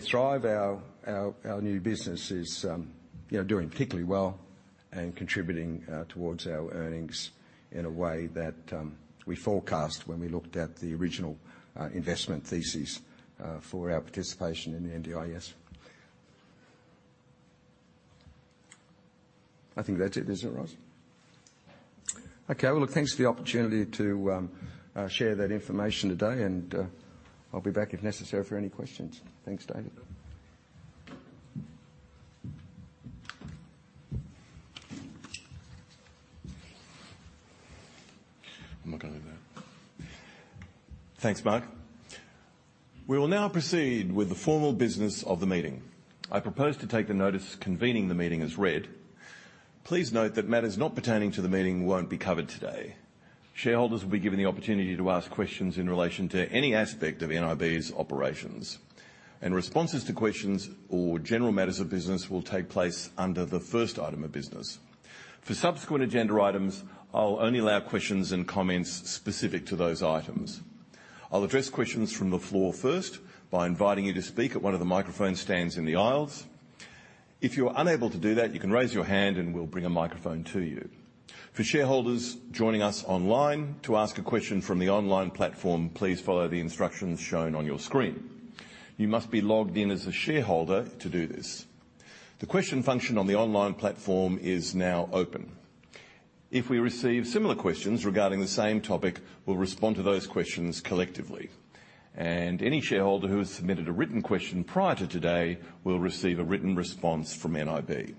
[SPEAKER 3] Thrive, our new business, is, you know, doing particularly well and contributing towards our earnings in a way that we forecast when we looked at the original investment thesis for our participation in the NDIS. I think that's it. Is that right? Okay, well, look, thanks for the opportunity to share that information today, and I'll be back if necessary for any questions. Thanks, David. I'm not gonna need that.
[SPEAKER 1] Thanks, Mark. We will now proceed with the formal business of the meeting. I propose to take the notice convening the meeting as read. Please note that matters not pertaining to the meeting won't be covered today. Shareholders will be given the opportunity to ask questions in relation to any aspect of nib's operations, and responses to questions or general matters of business will take place under the first item of business. For subsequent agenda items, I'll only allow questions and comments specific to those items. I'll address questions from the floor first by inviting you to speak at one of the microphone stands in the aisles. If you're unable to do that, you can raise your hand, and we'll bring a microphone to you. For shareholders joining us online, to ask a question from the online platform, please follow the instructions shown on your screen. You must be logged in as a shareholder to do this. The question function on the online platform is now open. If we receive similar questions regarding the same topic, we'll respond to those questions collectively, and any shareholder who has submitted a written question prior to today will receive a written response from nib.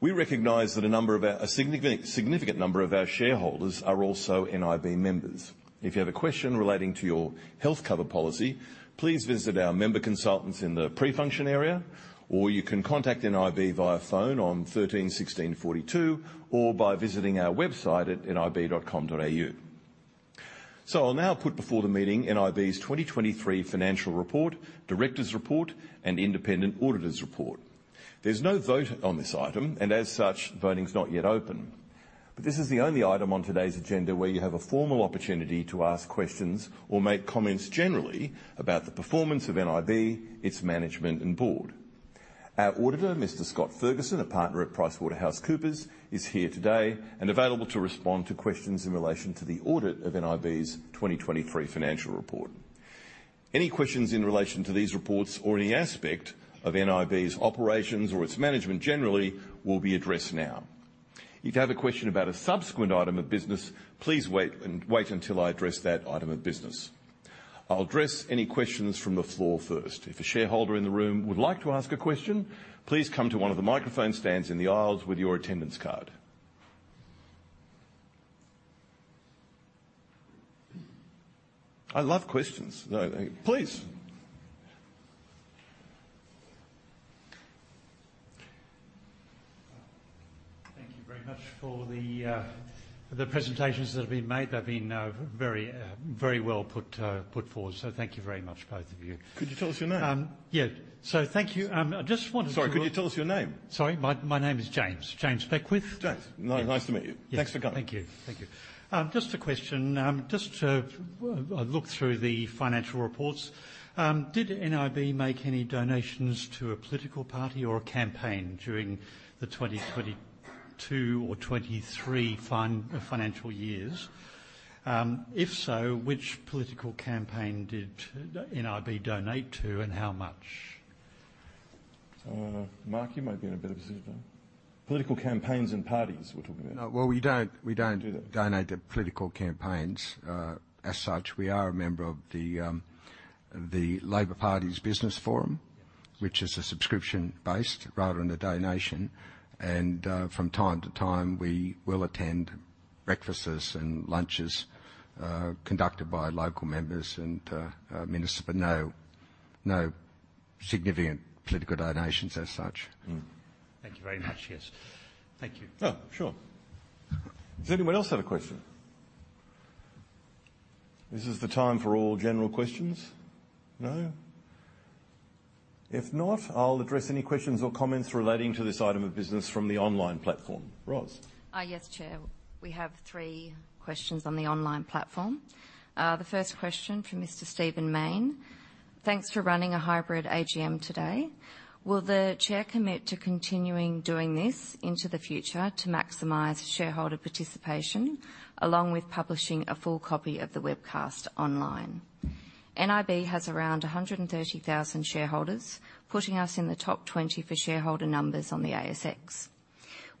[SPEAKER 1] We recognize that a number of our... A significant, significant number of our shareholders are also nib members. If you have a question relating to your health cover policy, please visit our member consultants in the pre-function area, or you can contact nib via phone on 13-16-42, or by visiting our website at nib.com.au. I'll now put before the meeting nib's 2023 financial report, directors' report, and independent auditors' report. There's no vote on this item, and as such, voting is not yet open. But this is the only item on today's agenda where you have a formal opportunity to ask questions or make comments generally about the performance of nib, its management, and board. Our auditor, Mr. Scott Ferguson, a partner at PricewaterhouseCoopers, is here today and available to respond to questions in relation to the audit of nib's 2023 financial report. Any questions in relation to these reports or any aspect of nib's operations or its management generally will be addressed now. If you have a question about a subsequent item of business, please wait until I address that item of business. I'll address any questions from the floor first. If a shareholder in the room would like to ask a question, please come to one of the microphone stands in the aisles with your attendance card. I love questions, though. Please.
[SPEAKER 4] Thank you very much for the presentations that have been made. They've been very well put forward, so thank you very much, both of you.
[SPEAKER 1] Could you tell us your name?
[SPEAKER 4] Yeah. So thank you. I just wanted to-
[SPEAKER 1] Sorry, could you tell us your name?
[SPEAKER 4] Sorry. My name is James. James Beckwith.
[SPEAKER 1] James, nice to meet you.
[SPEAKER 4] Yes.
[SPEAKER 1] Thanks for coming.
[SPEAKER 4] Thank you. Thank you. Just a question. Just to, I looked through the financial reports. Did nib make any donations to a political party or a campaign during the 2022 or 2023 financial years? If so, which political campaign did nib donate to, and how much?
[SPEAKER 1] Mark, you might be in a better position. Political campaigns and parties, we're talking about.
[SPEAKER 3] No, well, we don't.
[SPEAKER 1] Do that...
[SPEAKER 3] donate to political campaigns, as such. We are a member of The Labor Party's Business Forum, which is a subscription-based rather than a donation. From time to time, we will attend breakfasts and lunches conducted by local members and ministers, but no, no significant political donations as such.
[SPEAKER 1] Mm.
[SPEAKER 4] Thank you very much. Yes. Thank you.
[SPEAKER 1] Oh, sure. Does anyone else have a question? This is the time for all general questions. No? If not, I'll address any questions or comments relating to this item of business from the online platform. Ros?
[SPEAKER 5] Yes, Chair. We have three questions on the online platform. The first question from Mr. Stephen Mayne Thanks for running a hybrid AGM today. Will the chair commit to continuing doing this into the future to maximize shareholder participation, along with publishing a full copy of the webcast online? nib has around 130,000 shareholders, putting us in the top 20 for shareholder numbers on the ASX.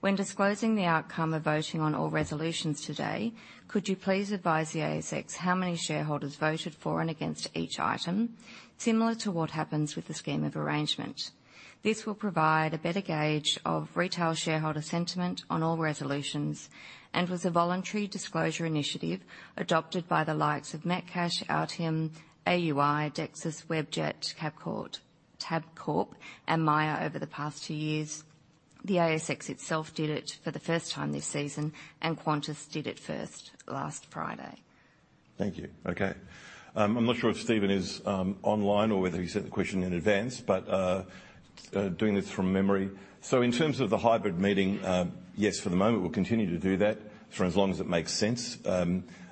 [SPEAKER 5] When disclosing the outcome of voting on all resolutions today, could you please advise the ASX how many shareholders voted for and against each item, similar to what happens with the scheme of arrangement? This will provide a better gauge of retail shareholder sentiment on all resolutions, and with a voluntary disclosure initiative adopted by the likes of Metcash, Altium, AUI, Dexus, Webjet, Bapcor, Tabcorp, and Myer over the past two years. The ASX itself did it for the first time this season, and Qantas did it first, last Friday.
[SPEAKER 1] Thank you. Okay. I'm not sure if Stephen is online or whether he sent the question in advance, but doing this from memory. So in terms of the hybrid meeting, yes, for the moment, we'll continue to do that for as long as it makes sense.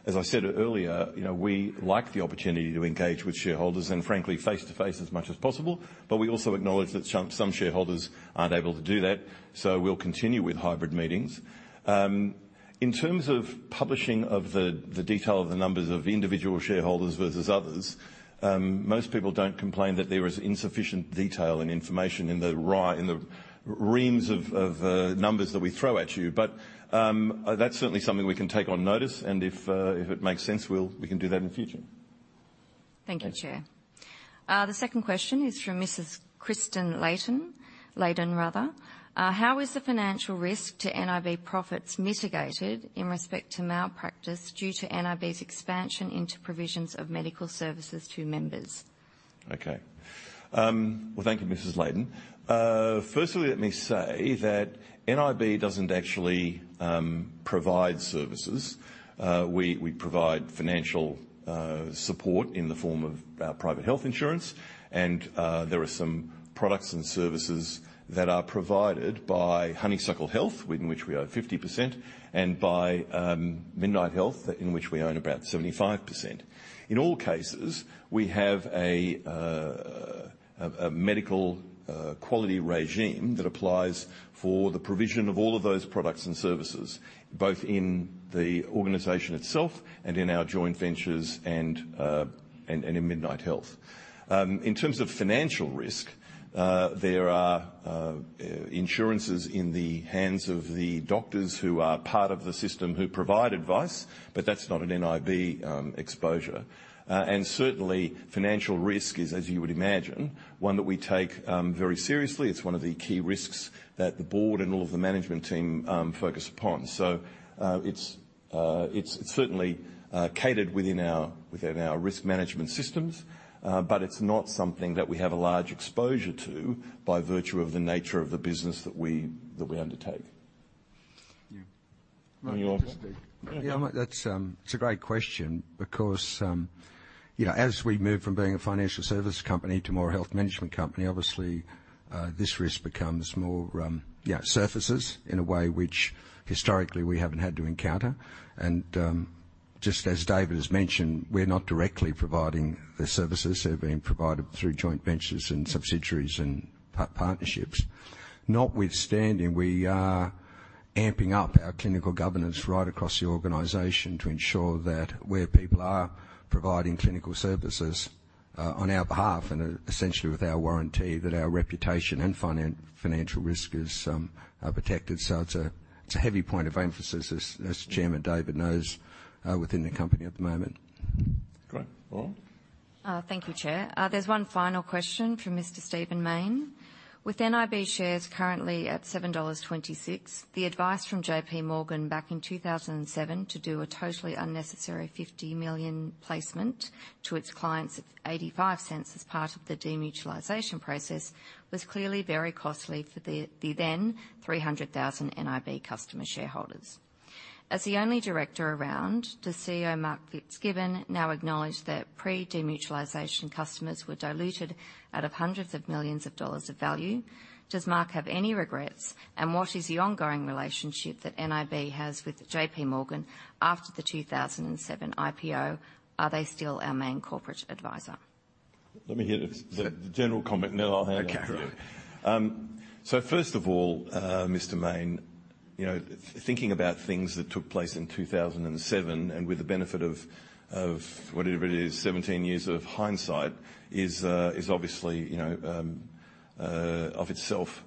[SPEAKER 1] As I said earlier, you know, we like the opportunity to engage with shareholders, and frankly, face-to-face as much as possible. But we also acknowledge that some shareholders aren't able to do that, so we'll continue with hybrid meetings. In terms of publishing of the detail of the numbers of individual shareholders versus others, most people don't complain that there is insufficient detail and information in the reams of numbers that we throw at you. But that's certainly something we can take on notice, and if it makes sense, we can do that in the future.
[SPEAKER 5] Thank you, Chair. The second question is from Mrs. Kristen Layton, Leyden, rather. How is the financial risk to nib profits mitigated in respect to malpractice due to nib's expansion into provisions of medical services to members?
[SPEAKER 1] Okay. Well, thank you, Mrs. Leyden. Firstly, let me say that nib doesn't actually provide services. We provide financial support in the form of private health insurance, and there are some products and services that are provided by Honeysuckle Health, in which we own 50%, and by Midnight Health, in which we own about 75%. In all cases, we have a medical quality regime that applies for the provision of all of those products and services, both in the organization itself and in our joint ventures and in Midnight Health. In terms of financial risk, there are insurances in the hands of the doctors who are part of the system, who provide advice, but that's not an nib exposure. And certainly, financial risk is, as you would imagine, one that we take very seriously. It's one of the key risks that the board and all of the management team focus upon. So, it's certainly catered within our risk management systems, but it's not something that we have a large exposure to by virtue of the nature of the business that we undertake.
[SPEAKER 3] Yeah.
[SPEAKER 1] Move on, Steve?
[SPEAKER 3] Yeah, that's, it's a great question because, you know, as we move from being a financial service company to more a health management company, obviously, this risk becomes more, yeah, surfaces in a way which historically we haven't had to encounter. And, just as David has mentioned, we're not directly providing the services. They're being provided through joint ventures and subsidiaries and partnerships. Notwithstanding, we are amping up our clinical governance right across the organization to ensure that where people are providing clinical services, on our behalf and essentially with our warranty, that our reputation and financial risk is protected. So it's a, it's a heavy point of emphasis, as, as Chairman David knows, within the company at the moment.
[SPEAKER 1] Great. Ros?
[SPEAKER 5] Thank you, Chair. There's one final question from Mr. Stephen Mayne. With nib shares currently at 7.26 dollars, the advice from JPMorgan back in 2007 to do a totally unnecessary 50 million placement to its clients at 0.85 as part of the demutualization process, was clearly very costly for the then 300,000 nib customer shareholders. As the only director around, does CEO Mark Fitzgibbon now acknowledge that pre-demutualization customers were diluted out of hundreds of millions of AUD of value? Does Mark have any regrets, and what is the ongoing relationship that nib has with JPMorgan after the 2007 IPO? Are they still our main corporate advisor?
[SPEAKER 1] Let me hear the general comment, and then I'll hand it over to you.
[SPEAKER 3] Okay, right.
[SPEAKER 1] So first of all, Mr. Mayne, you know, thinking about things that took place in 2007, and with the benefit of whatever it is, 17 years of hindsight, is obviously, you know, of itself,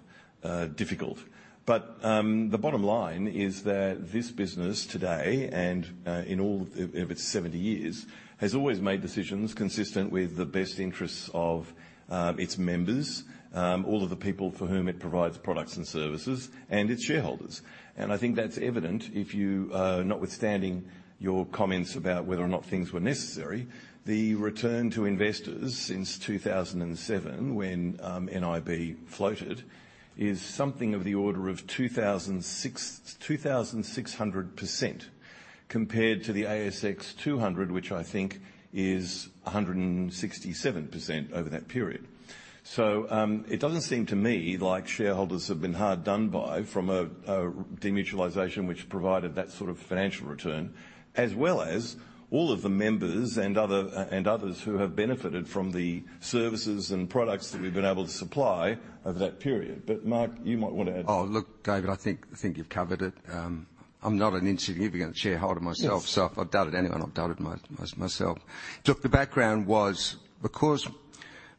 [SPEAKER 1] difficult. But, the bottom line is that this business today and, in all of its 70 years, has always made decisions consistent with the best interests of, its members, all of the people for whom it provides products and services, and its shareholders. I think that's evident if you, notwithstanding your comments about whether or not things were necessary, the return to investors since 2007, when nib floated, is something of the order of 2,600%, compared to the ASX 200, which I think is 167% over that period. So, it doesn't seem to me like shareholders have been hard done by from a demutualization, which provided that sort of financial return, as well as all of the members and other, and others who have benefited from the services and products that we've been able to supply over that period. But Mark, you might want to add-
[SPEAKER 3] Oh, look, David, I think, I think you've covered it. I'm not an insignificant shareholder myself-
[SPEAKER 1] Yes.
[SPEAKER 3] So if I doubted anyone, I've doubted myself. Look, the background was because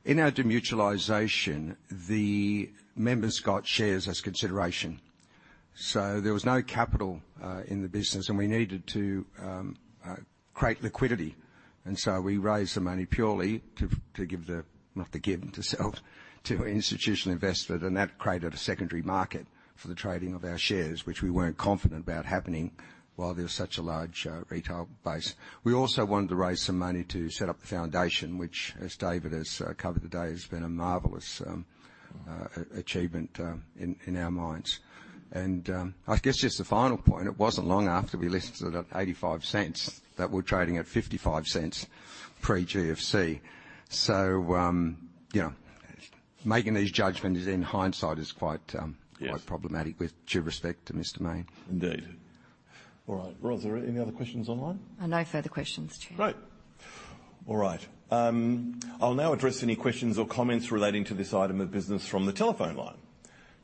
[SPEAKER 3] in our demutualization, the members got shares as consideration, so there was no capital in the business, and we needed to create liquidity. And so we raised the money purely to give the—not to give, to sell to institutional investors, and that created a secondary market for the trading of our shares, which we weren't confident about happening while there was such a large retail base. We also wanted to raise some money to set up the foundation, which, as David has covered today, has been a marvelous achievement in our minds. And I guess just a final point, it wasn't long after we listed at 0.85 that we're trading at 0.55 pre-GFC. So, you know, making these judgments in hindsight is quite...
[SPEAKER 1] Yes...
[SPEAKER 3] quite problematic, with due respect to Mr. Mayne.
[SPEAKER 1] Indeed. All right, Ros, are there any other questions online?
[SPEAKER 5] No further questions, Chair.
[SPEAKER 1] Great! All right, I'll now address any questions or comments relating to this item of business from the telephone line.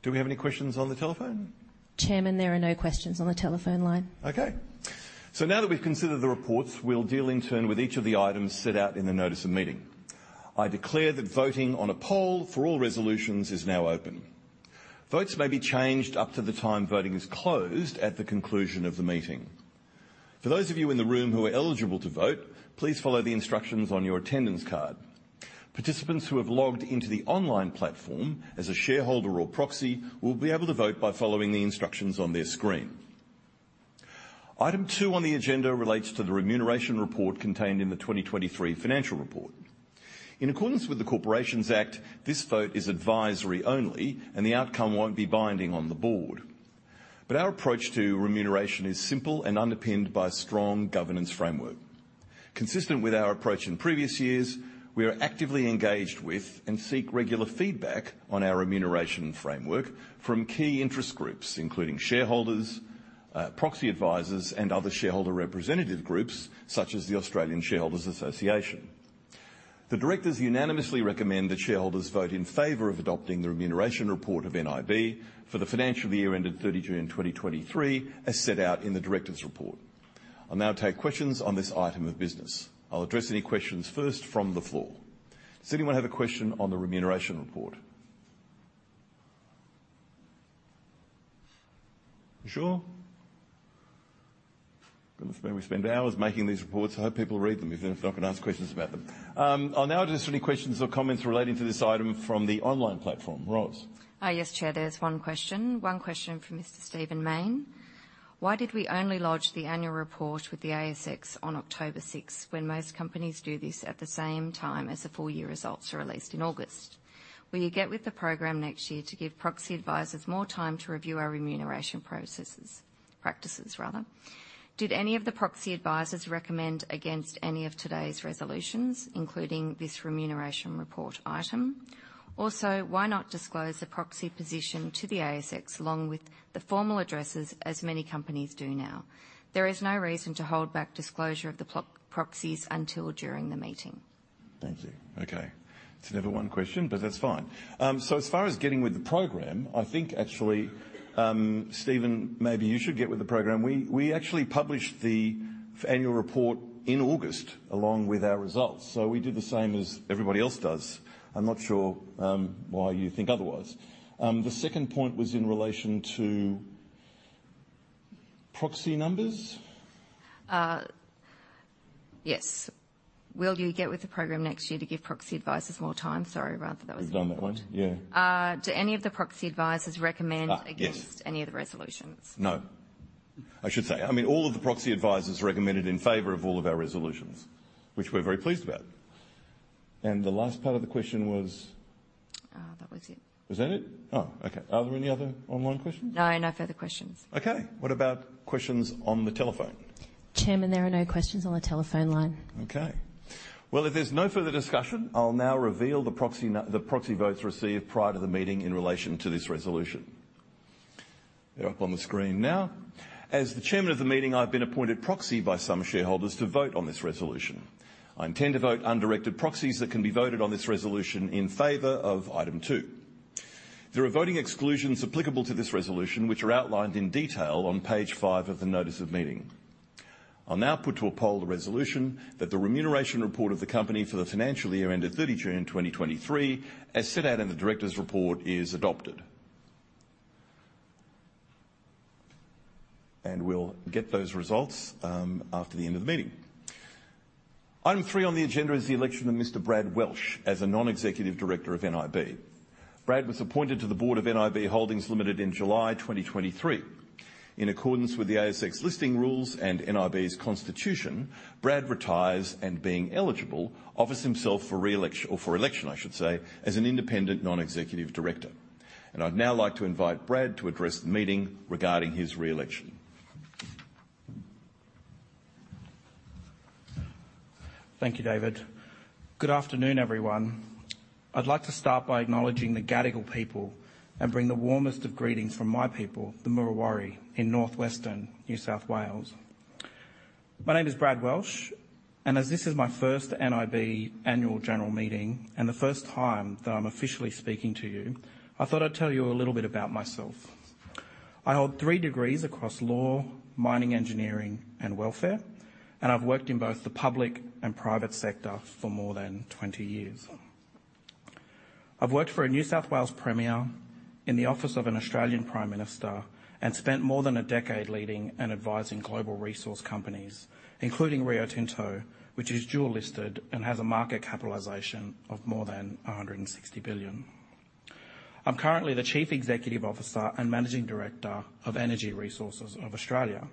[SPEAKER 1] Do we have any questions on the telephone?
[SPEAKER 5] Chairman, there are no questions on the telephone line.
[SPEAKER 1] Okay. So now that we've considered the reports, we'll deal in turn with each of the items set out in the notice of meeting. I declare that voting on a poll for all resolutions is now open. Votes may be changed up to the time voting is closed at the conclusion of the meeting. For those of you in the room who are eligible to vote, please follow the instructions on your attendance card. Participants who have logged into the online platform as a shareholder or proxy will be able to vote by following the instructions on their screen. Item two on the agenda relates to the remuneration report contained in the 2023 financial report. In accordance with the Corporations Act, this vote is advisory only, and the outcome won't be binding on the board. But our approach to remuneration is simple and underpinned by strong governance framework. Consistent with our approach in previous years, we are actively engaged with and seek regular feedback on our remuneration framework from key interest groups, including shareholders, proxy advisors, and other shareholder representative groups, such as the Australian Shareholders Association. The directors unanimously recommend that shareholders vote in favor of adopting the remuneration report of nib for the financial year ended 30 June 2023, as set out in the directors' report. I'll now take questions on this item of business. I'll address any questions first from the floor. Does anyone have a question on the remuneration report? You sure? Goodness me, we spend hours making these reports. I hope people read them, even if they're not gonna ask questions about them. I'll now address any questions or comments relating to this item from the online platform. Ros?
[SPEAKER 5] Yes, Chair, there's one question. One question from Mr. Stephen Mayne. "Why did we only lodge the annual report with the ASX on October sixth, when most companies do this at the same time as the full year results are released in August? Will you get with the program next year to give proxy advisors more time to review our remuneration processes, practices rather? Did any of the proxy advisors recommend against any of today's resolutions, including this remuneration report item? Also, why not disclose the proxy position to the ASX along with the formal addresses, as many companies do now? There is no reason to hold back disclosure of the proxies until during the meeting.
[SPEAKER 1] Thank you. Okay, it's never one question, but that's fine. So as far as getting with the program, I think actually, Stephen, maybe you should get with the program. We, we actually published the annual report in August, along with our results, so we did the same as everybody else does. I'm not sure, why you think otherwise. The second point was in relation to proxy numbers?
[SPEAKER 5] Yes. Will you get with the program next year to give proxy advisors more time? Sorry, rather, that was-
[SPEAKER 1] We've done that one. Yeah.
[SPEAKER 5] Do any of the proxy advisors recommend-
[SPEAKER 1] Ah, yes.
[SPEAKER 5] against any of the resolutions?
[SPEAKER 1] No. I should say, I mean, all of the proxy advisors recommended in favor of all of our resolutions, which we're very pleased about. And the last part of the question was?
[SPEAKER 5] That was it.
[SPEAKER 1] Was that it? Oh, okay. Are there any other online questions?
[SPEAKER 5] No, no further questions.
[SPEAKER 1] Okay, what about questions on the telephone?
[SPEAKER 5] Chairman, there are no questions on the telephone line.
[SPEAKER 1] Okay. Well, if there's no further discussion, I'll now reveal the proxy votes received prior to the meeting in relation to this resolution. They're up on the screen now. As the chairman of the meeting, I've been appointed proxy by some shareholders to vote on this resolution. I intend to vote undirected proxies that can be voted on this resolution in favor of item 2. There are voting exclusions applicable to this resolution, which are outlined in detail on page five of the notice of meeting. I'll now put to a poll the resolution that the remuneration report of the company for the financial year ended 30 June 2023, as set out in the directors' report, is adopted. And we'll get those results after the end of the meeting. Item three on the agenda is the election of Mr. Brad Welsh as a non-executive director of nib. Brad was appointed to the board of nib holdings limited in July 2023. In accordance with the ASX listing rules and nib's constitution, Brad retires, and being eligible, offers himself for re-election, or for election, I should say, as an independent non-executive director, and I'd now like to invite Brad to address the meeting regarding his re-election....
[SPEAKER 6] Thank you, David. Good afternoon, everyone. I'd like to start by acknowledging the Gadigal people and bring the warmest of greetings from my people, the Murawari, in Northwestern New South Wales. My name is Brad Welsh, and as this is my first nib annual general meeting and the first time that I'm officially speaking to you, I thought I'd tell you a little bit about myself. I hold three degrees across law, mining, engineering, and welfare, and I've worked in both the public and private sector for more than 20 years. I've worked for a New South Wales Premier, in the office of an Australian Prime Minister, and spent more than a decade leading and advising global resource companies, including Rio Tinto, which is dual listed and has a market capitalization of more than 160 billion. I'm currently the Chief Executive Officer and Managing Director of Energy Resources of Australia,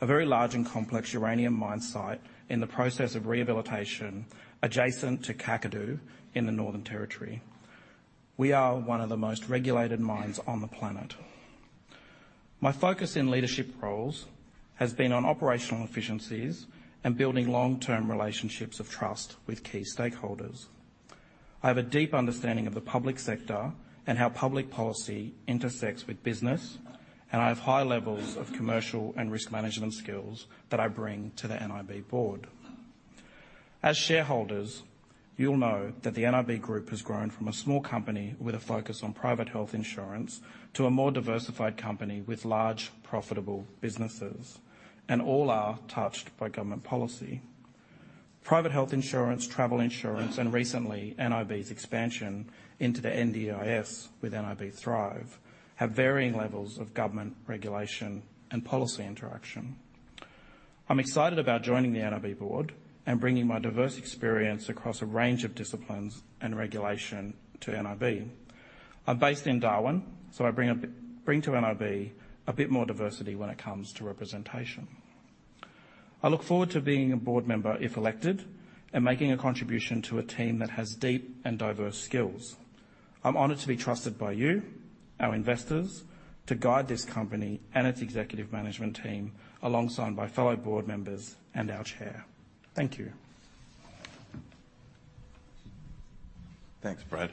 [SPEAKER 6] a very large and complex uranium mine site in the process of rehabilitation adjacent to Kakadu in the Northern Territory. We are one of the most regulated mines on the planet. My focus in leadership roles has been on operational efficiencies and building long-term relationships of trust with key stakeholders. I have a deep understanding of the public sector and how public policy intersects with business, and I have high levels of commercial and risk management skills that I bring to the nib board. As shareholders, you'll know that the nib Group has grown from a small company with a focus on private health insurance to a more diversified company with large, profitable businesses, and all are touched by government policy. Private health insurance, travel insurance, and recently, nib's expansion into the NDIS with nib Thrive, have varying levels of government regulation and policy interaction. I'm excited about joining the nib board and bringing my diverse experience across a range of disciplines and regulation to nib. I'm based in Darwin, so I bring a bit more diversity when it comes to representation. I look forward to being a board member, if elected, and making a contribution to a team that has deep and diverse skills. I'm honored to be trusted by you, our investors, to guide this company and its executive management team, alongside my fellow board members and our Chair. Thank you.
[SPEAKER 1] Thanks, Brad.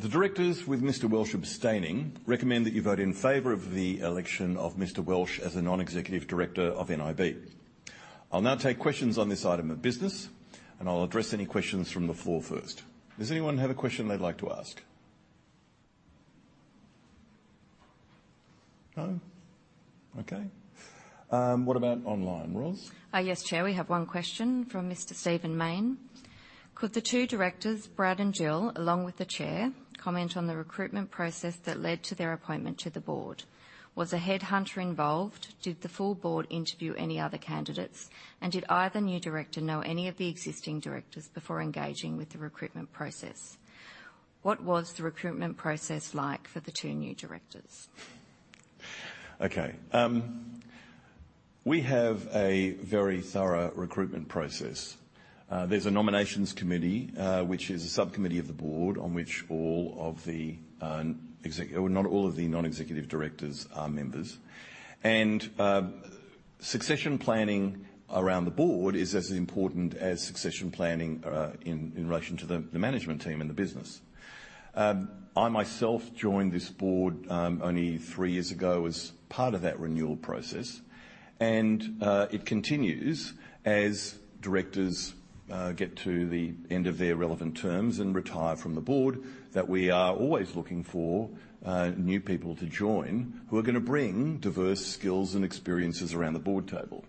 [SPEAKER 1] The directors, with Mr. Welsh abstaining, recommend that you vote in favor of the election of Mr. Welsh as a non-executive director of nib. I'll now take questions on this item of business, and I'll address any questions from the floor first. Does anyone have a question they'd like to ask? No? Okay. What about online, Ros?
[SPEAKER 5] Yes, Chair. We have one question from Mr. Stephen Main. Could the two directors, Brad and Jill, along with the Chair, comment on the recruitment process that led to their appointment to the board? Was a headhunter involved? Did the full board interview any other candidates? And did either new director know any of the existing directors before engaging with the recruitment process? What was the recruitment process like for the two new directors?
[SPEAKER 1] Okay, we have a very thorough recruitment process. There's a nominations committee, which is a subcommittee of the board, on which all of the. Well, not all of the non-executive directors are members. Succession planning around the board is as important as succession planning in relation to the management team and the business. I myself joined this board only three years ago as part of that renewal process, and it continues as directors get to the end of their relevant terms and retire from the board, that we are always looking for new people to join who are gonna bring diverse skills and experiences around the board table.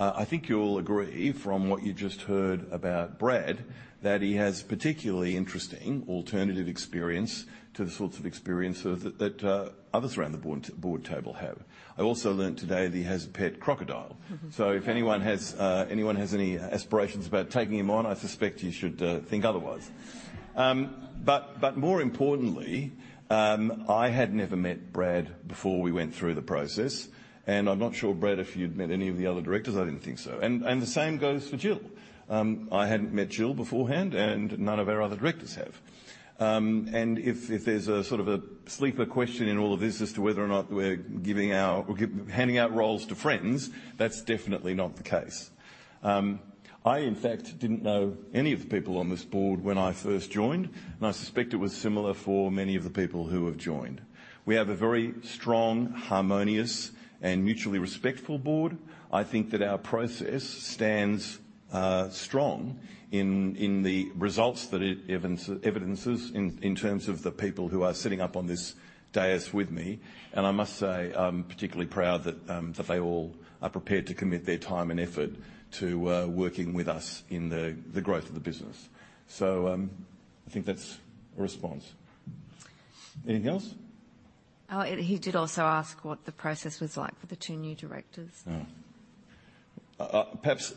[SPEAKER 1] I think you'll agree from what you just heard about Brad, that he has particularly interesting alternative experience to the sorts of experiences that others around the board table have. I also learned today that he has a pet crocodile.
[SPEAKER 5] Mm-hmm.
[SPEAKER 1] So if anyone has, anyone has any aspirations about taking him on, I suspect you should, think otherwise. But, but more importantly, I had never met Brad before we went through the process, and I'm not sure, Brad, if you'd met any of the other directors. I didn't think so. And, and the same goes for Jill. I hadn't met Jill beforehand, and none of our other directors have. And if, if there's a sort of a sleeper question in all of this as to whether or not we're giving out or giving, handing out roles to friends, that's definitely not the case. I, in fact, didn't know any of the people on this board when I first joined, and I suspect it was similar for many of the people who have joined. We have a very strong, harmonious, and mutually respectful board. I think that our process stands strong in the results that it evidences in terms of the people who are sitting up on this dais with me. And I must say, I'm particularly proud that they all are prepared to commit their time and effort to working with us in the growth of the business. So, I think that's a response. Anything else?
[SPEAKER 5] Oh, he did also ask what the process was like for the two new directors.
[SPEAKER 1] Oh. Perhaps,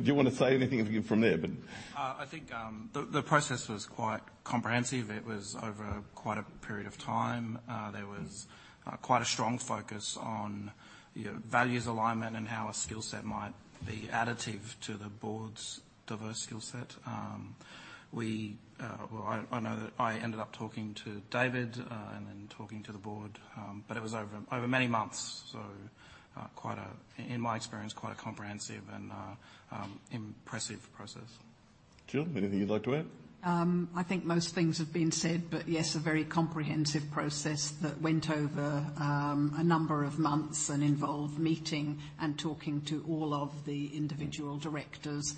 [SPEAKER 1] do you want to say anything from there, but-
[SPEAKER 6] ...I think, the process was quite comprehensive. It was over quite a period of time. There was quite a strong focus on, you know, values alignment and how a skill set might be additive to the board's diverse skill set. We, well, I know that I ended up talking to David, and then talking to the board, but it was over many months, so, quite a, in my experience, quite a comprehensive and impressive process.
[SPEAKER 1] Jill, anything you'd like to add?
[SPEAKER 7] I think most things have been said, but yes, a very comprehensive process that went over a number of months and involved meeting and talking to all of the individual directors.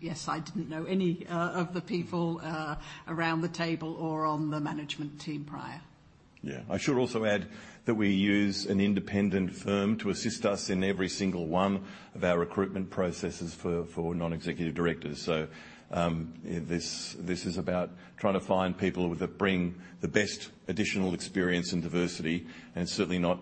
[SPEAKER 7] Yes, I didn't know any of the people around the table or on the management team prior.
[SPEAKER 1] Yeah. I should also add that we use an independent firm to assist us in every single one of our recruitment processes for non-executive directors. So, this is about trying to find people that bring the best additional experience and diversity, and certainly not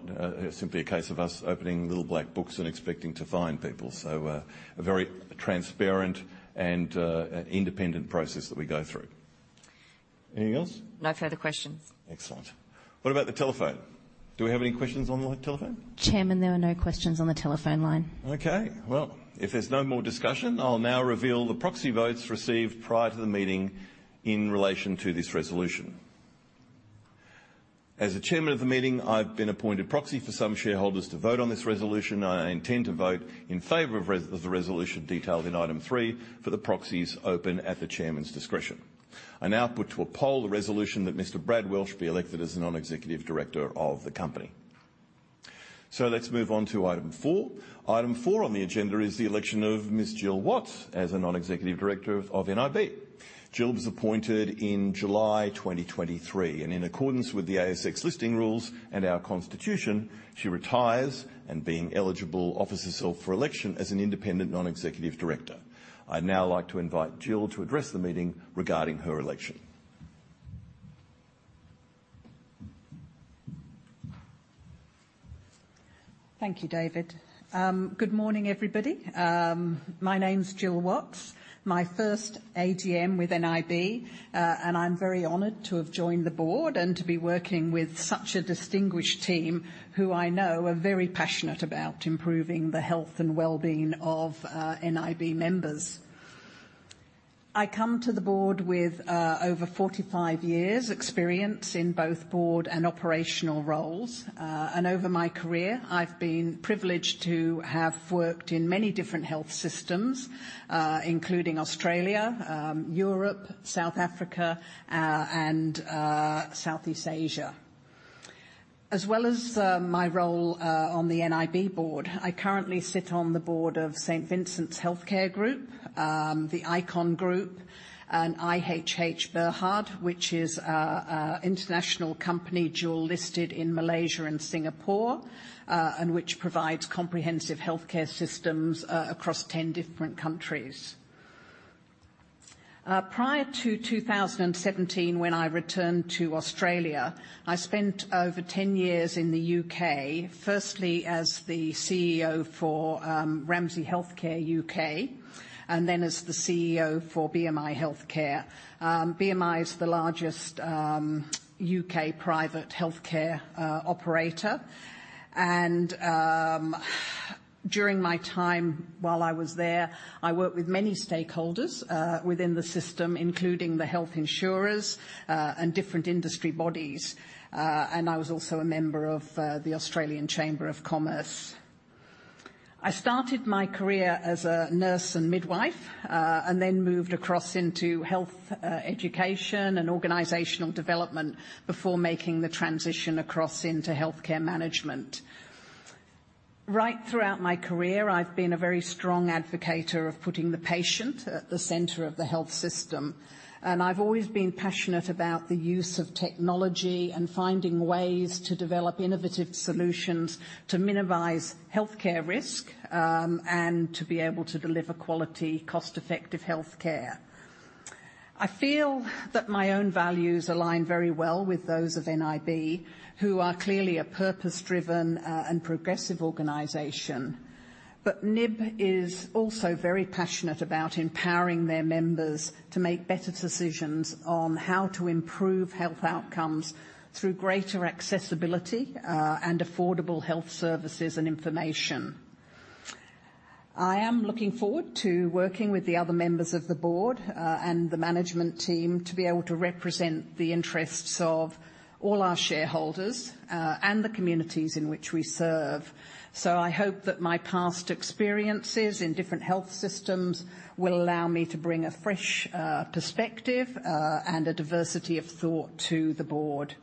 [SPEAKER 1] simply a case of us opening little black books and expecting to find people. So, a very transparent and an independent process that we go through. Anything else?
[SPEAKER 5] No further questions.
[SPEAKER 1] Excellent. What about the telephone? Do we have any questions on the telephone?
[SPEAKER 5] Chairman, there are no questions on the telephone line.
[SPEAKER 1] Okay, well, if there's no more discussion, I'll now reveal the proxy votes received prior to the meeting in relation to this resolution. As the chairman of the meeting, I've been appointed proxy for some shareholders to vote on this resolution, and I intend to vote in favor of the resolution detailed in item 3 for the proxies open at the chairman's discretion. I now put to a poll the resolution that Mr. Brad Welsh be elected as a non-executive director of the company. So let's move on to item 4. Item 4 on the agenda is the election of Ms. Jill Watts as a non-executive director of nib. Jill was appointed in July 2023, and in accordance with the ASX listing rules and our constitution, she retires, and being eligible, offers herself for election as an independent non-executive director. I'd now like to invite Jill to address the meeting regarding her election.
[SPEAKER 7] Thank you, David. Good morning, everybody. My name's Jill Watts, my first AGM with nib, and I'm very honored to have joined the board and to be working with such a distinguished team who I know are very passionate about improving the health and well-being of nib members. I come to the board with over 45 years experience in both board and operational roles. And over my career, I've been privileged to have worked in many different health systems, including Australia, Europe, South Africa, and Southeast Asia. As well as my role on the nib board, I currently sit on the board of St. Vincent's Healthcare Group, the Icon Group, and IHH Berhad, which is a international company dual-listed in Malaysia and Singapore, and which provides comprehensive healthcare systems across 10 different countries. Prior to 2017, when I returned to Australia, I spent over 10 years in the U.K., firstly as the CEO for Ramsay Health Care UK, and then as the CEO for BMI Healthcare. BMI is the largest U.K. private healthcare operator, and during my time while I was there, I worked with many stakeholders within the system, including the health insurers and different industry bodies, and I was also a member of the Australian Chamber of Commerce. I started my career as a nurse and midwife, and then moved across into health education and organizational development before making the transition across into healthcare management. Right throughout my career, I've been a very strong advocator of putting the patient at the center of the health system, and I've always been passionate about the use of technology and finding ways to develop innovative solutions to minimize healthcare risk, and to be able to deliver quality, cost-effective healthcare. I feel that my own values align very well with those of nib, who are clearly a purpose-driven, and progressive organization. But nib is also very passionate about empowering their members to make better decisions on how to improve health outcomes through greater accessibility, and affordable health services and information. I am looking forward to working with the other members of the board, and the management team, to be able to represent the interests of all our shareholders, and the communities in which we serve. I hope that my past experiences in different health systems will allow me to bring a fresh perspective and a diversity of thought to the board.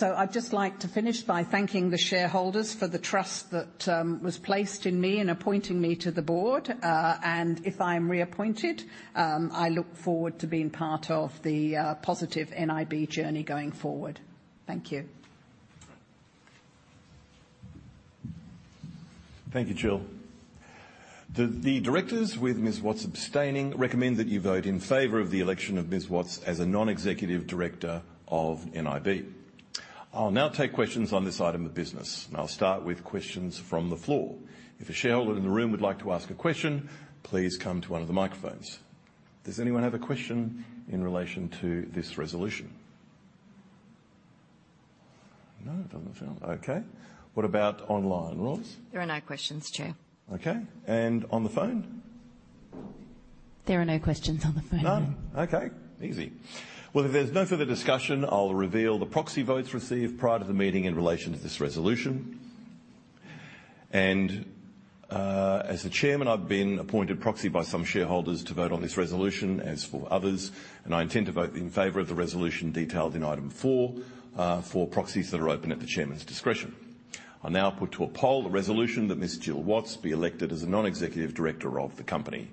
[SPEAKER 7] I'd just like to finish by thanking the shareholders for the trust that was placed in me in appointing me to the board. If I am reappointed, I look forward to being part of the positive nib journey going forward. Thank you.
[SPEAKER 1] Thank you, Jill. The directors, with Ms. Watts abstaining, recommend that you vote in favor of the election of Ms. Watts as a non-executive director of nib. I'll now take questions on this item of business, and I'll start with questions from the floor. If a shareholder in the room would like to ask a question, please come to one of the microphones. Does anyone have a question in relation to this resolution? No, it doesn't sound. Okay. What about online, Ros?
[SPEAKER 5] There are no questions, Chair.
[SPEAKER 1] Okay, and on the phone?
[SPEAKER 5] There are no questions on the phone.
[SPEAKER 1] None? Okay, easy. Well, if there's no further discussion, I'll reveal the proxy votes received prior to the meeting in relation to this resolution. And, as the chairman, I've been appointed proxy by some shareholders to vote on this resolution, as for others, and I intend to vote in favor of the resolution detailed in item four, for proxies that are open at the chairman's discretion. I now put to a poll the resolution that Ms. Jill Watts be elected as a non-executive director of the company.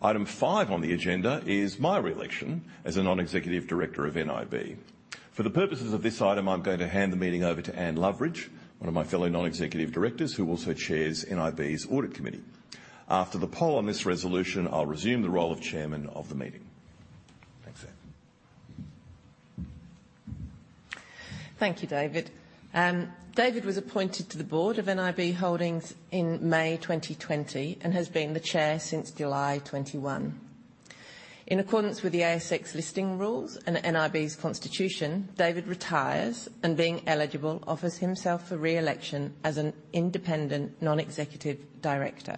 [SPEAKER 1] Item five on the agenda is my re-election as a non-executive director of nib. For the purposes of this item, I'm going to hand the meeting over to Anne Loveridge, one of my fellow non-executive directors, who also chairs nib's Audit Committee. After the poll on this resolution, I'll resume the role of chairman of the meeting. Thanks, Anne.
[SPEAKER 8] Thank you, David. David was appointed to the board of nib holdings limited in May 2020 and has been the chair since July 2021. In accordance with the ASX listing rules and nib's constitution, David retires, and being eligible, offers himself for re-election as an independent non-executive director.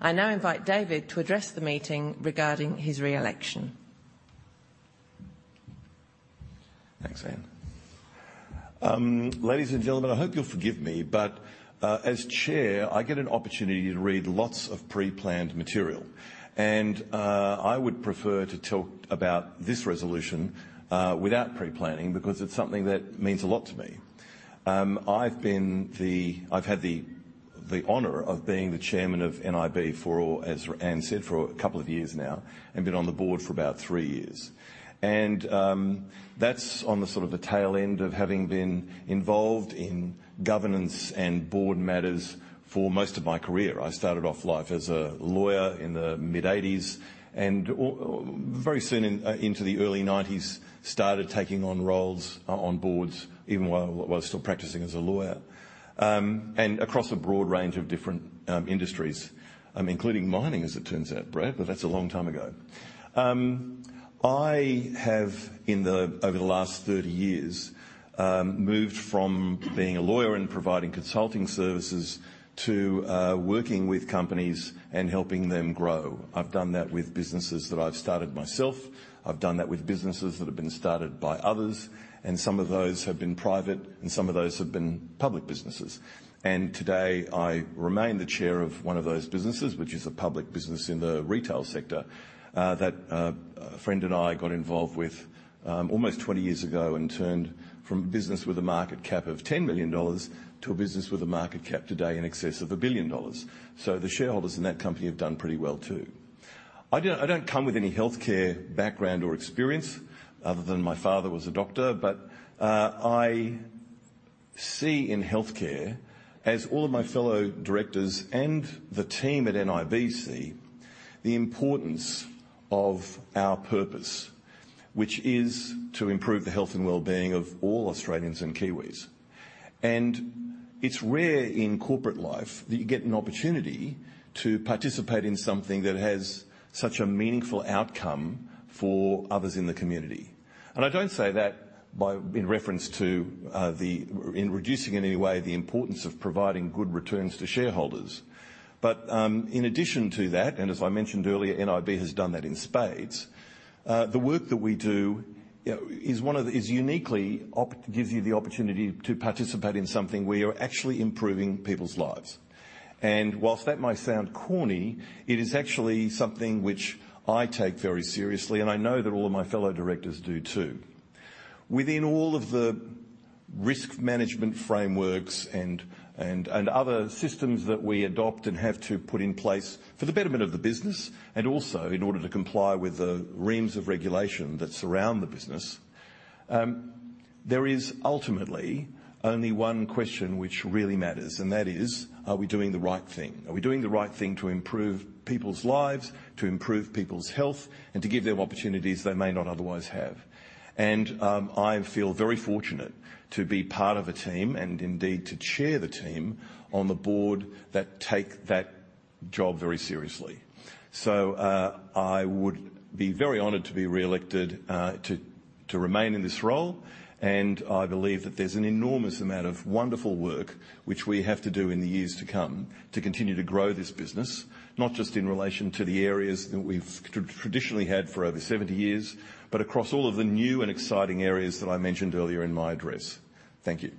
[SPEAKER 8] I now invite David to address the meeting regarding his re-election.
[SPEAKER 1] Thanks, Anne. Ladies and gentlemen, I hope you'll forgive me, but as Chair, I get an opportunity to read lots of pre-planned material, and I would prefer to talk about this resolution without pre-planning, because it's something that means a lot to me. I've had the honor of being the Chairman of nib for, as Anne said, a couple of years now and been on the board for about three years. That's on the sort of the tail end of having been involved in governance and board matters for most of my career. I started off life as a lawyer in the mid-eighties and very soon into the early nineties, started taking on roles on boards, even while I was still practicing as a lawyer. Across a broad range of different industries, including mining, as it turns out, Brad, but that's a long time ago. I have, in the, over the last 30 years, moved from being a lawyer and providing consulting services to working with companies and helping them grow. I've done that with businesses that I've started myself. I've done that with businesses that have been started by others, and some of those have been private, and some of those have been public businesses. Today, I remain the chair of one of those businesses, which is a public business in the retail sector, that a friend and I got involved with almost 20 years ago and turned from a business with a market cap of 10 million dollars to a business with a market cap today in excess of 1 billion dollars. So the shareholders in that company have done pretty well, too. I don't, I don't come with any healthcare background or experience other than my father was a doctor, but I see in healthcare, as all of my fellow directors and the team at nib see, the importance of our purpose, which is to improve the health and well-being of all Australians and Kiwis. It's rare in corporate life that you get an opportunity to participate in something that has such a meaningful outcome for others in the community. I don't say that by, in reference to, reducing in any way the importance of providing good returns to shareholders. But in addition to that, and as I mentioned earlier, nib has done that in spades. The work that we do gives you the opportunity to participate in something where you're actually improving people's lives. And while that might sound corny, it is actually something which I take very seriously, and I know that all of my fellow directors do, too. Within all of the risk management frameworks and other systems that we adopt and have to put in place for the betterment of the business, and also in order to comply with the reams of regulation that surround the business, there is ultimately only one question which really matters, and that is: Are we doing the right thing? Are we doing the right thing to improve people's lives, to improve people's health, and to give them opportunities they may not otherwise have? I feel very fortunate to be part of a team, and indeed, to chair the team on the board that take that job very seriously. So, I would be very honored to be re-elected to remain in this role, and I believe that there's an enormous amount of wonderful work which we have to do in the years to come to continue to grow this business, not just in relation to the areas that we've traditionally had for over 70 years, but across all of the new and exciting areas that I mentioned earlier in my address. Thank you.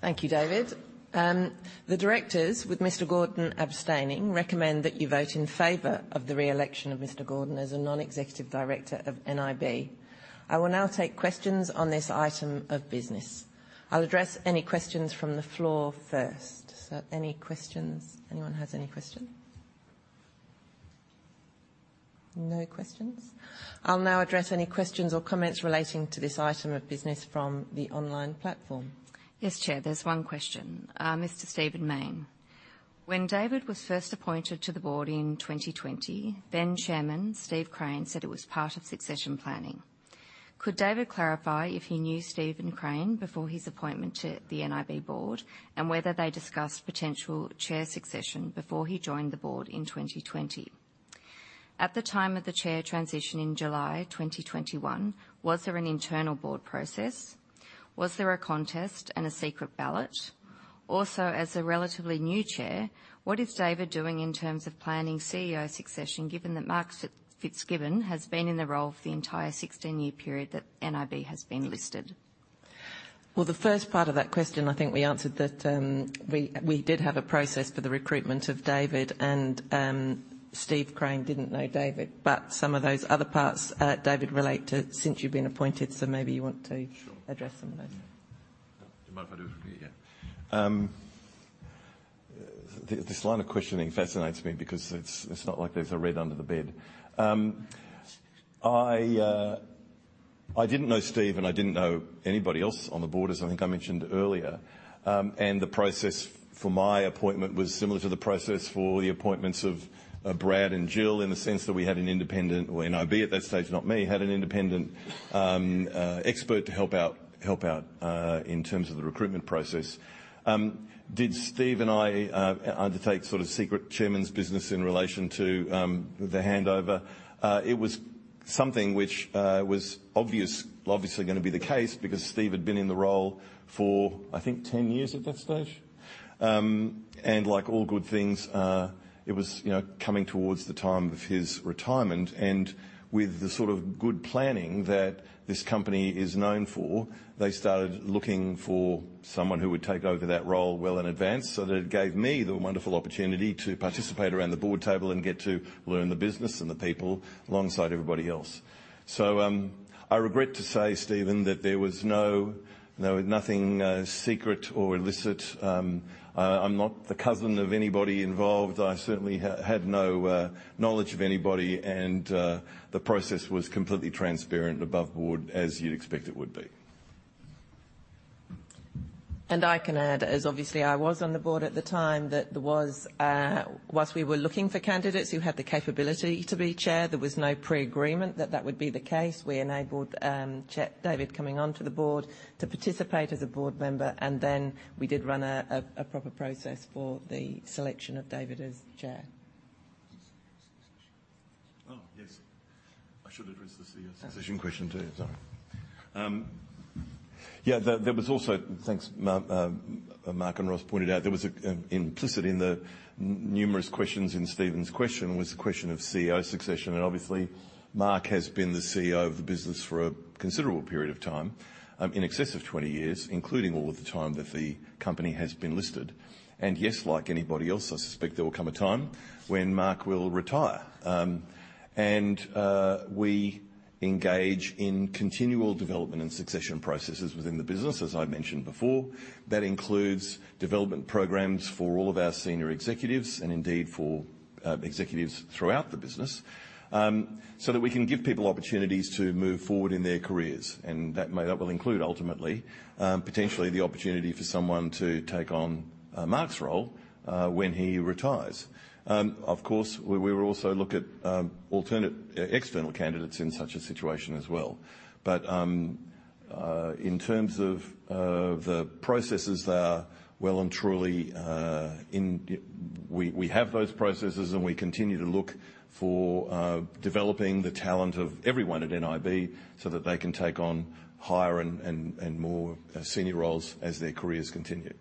[SPEAKER 8] Thank you, David. The directors, with Mr. Gordon abstaining, recommend that you vote in favor of the re-election of Mr. Gordon as a non-executive director of nib. I will now take questions on this item of business. I'll address any questions from the floor first. So any questions? Anyone has any questions? No questions.... I'll now address any questions or comments relating to this item of business from the online platform.
[SPEAKER 5] Yes, Chair, there's one question. Mr. Stephen Mayne. When David was first appointed to the board in 2020, then Chairman, Steve Crane, said it was part of succession planning. Could David clarify if he knew Stephen Crane before his appointment to the nib board, and whether they discussed potential chair succession before he joined the board in 2020? At the time of the chair transition in July 2021, was there an internal board process? Was there a contest and a secret ballot? Also, as a relatively new chair, what is David doing in terms of planning CEO succession, given that Mark Fitz, Fitzgibbon has been in the role for the entire 16-year period that nib has been listed?
[SPEAKER 8] Well, the first part of that question, I think we answered that. We did have a process for the recruitment of David and Steve Crane didn't know David. But some of those other parts, David, relate to since you've been appointed, so maybe you want to-
[SPEAKER 1] Sure.
[SPEAKER 8] Address some of those.
[SPEAKER 1] Do you mind if I do it from here? This line of questioning fascinates me because it's, it's not like there's a red under the bed. I didn't know Steve, and I didn't know anybody else on the board, as I think I mentioned earlier. The process for my appointment was similar to the process for the appointments of Brad and Jill, in the sense that we had an independent, well, nib at that stage, not me, had an independent expert to help out, help out in terms of the recruitment process. Did Steve and I undertake sort of secret chairman's business in relation to the handover? It was something which was obviously going to be the case because Steve had been in the role for, I think, 10 years at that stage. Like all good things, it was, you know, coming towards the time of his retirement, and with the sort of good planning that this company is known for, they started looking for someone who would take over that role well in advance. So that it gave me the wonderful opportunity to participate around the board table and get to learn the business and the people alongside everybody else. So, I regret to say, Stephen, that there was no, no, nothing, secret or illicit. I'm not the cousin of anybody involved. I certainly had no knowledge of anybody, and the process was completely transparent above board, as you'd expect it would be.
[SPEAKER 8] I can add, as obviously I was on the board at the time, that there was, while we were looking for candidates who had the capability to be Chair, there was no pre-agreement that that would be the case. We enabled, Chair David coming onto the board to participate as a board member, and then we did run a proper process for the selection of David as Chair.
[SPEAKER 1] Oh, yes. I should address the CEO succession question, too. Sorry. Yeah, there was also. Thanks, Mark, Mark and Ross pointed out there was implicit in the numerous questions in Stephen's question, was the question of CEO succession, and obviously, Mark has been the CEO of the business for a considerable period of time, in excess of 20 years, including all of the time that the company has been listed. And yes, like anybody else, I suspect there will come a time when Mark will retire. And we engage in continual development and succession processes within the business, as I mentioned before. That includes development programs for all of our senior executives, and indeed for executives throughout the business, so that we can give people opportunities to move forward in their careers, and that may, that will include, ultimately, potentially the opportunity for someone to take on Mark's role when he retires. Of course, we will also look at alternate external candidates in such a situation as well. But in terms of the processes there, well and truly in. We have those processes, and we continue to look for developing the talent of everyone at nib so that they can take on higher and more senior roles as their careers continue.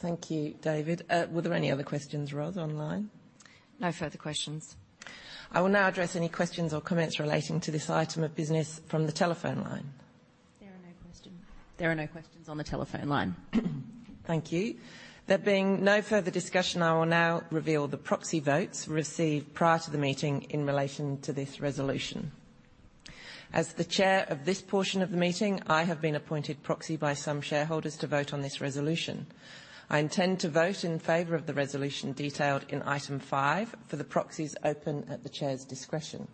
[SPEAKER 8] Thank you, David. Were there any other questions, Ros, online?
[SPEAKER 5] No further questions.
[SPEAKER 8] I will now address any questions or comments relating to this item of business from the telephone line.
[SPEAKER 5] There are no questions. There are no questions on the telephone line.
[SPEAKER 8] Thank you. There being no further discussion, I will now reveal the proxy votes received prior to the meeting in relation to this resolution. As the chair of this portion of the meeting, I have been appointed proxy by some shareholders to vote on this resolution. I intend to vote in favor of the resolution detailed in item five for the proxies open at the chair's discretion.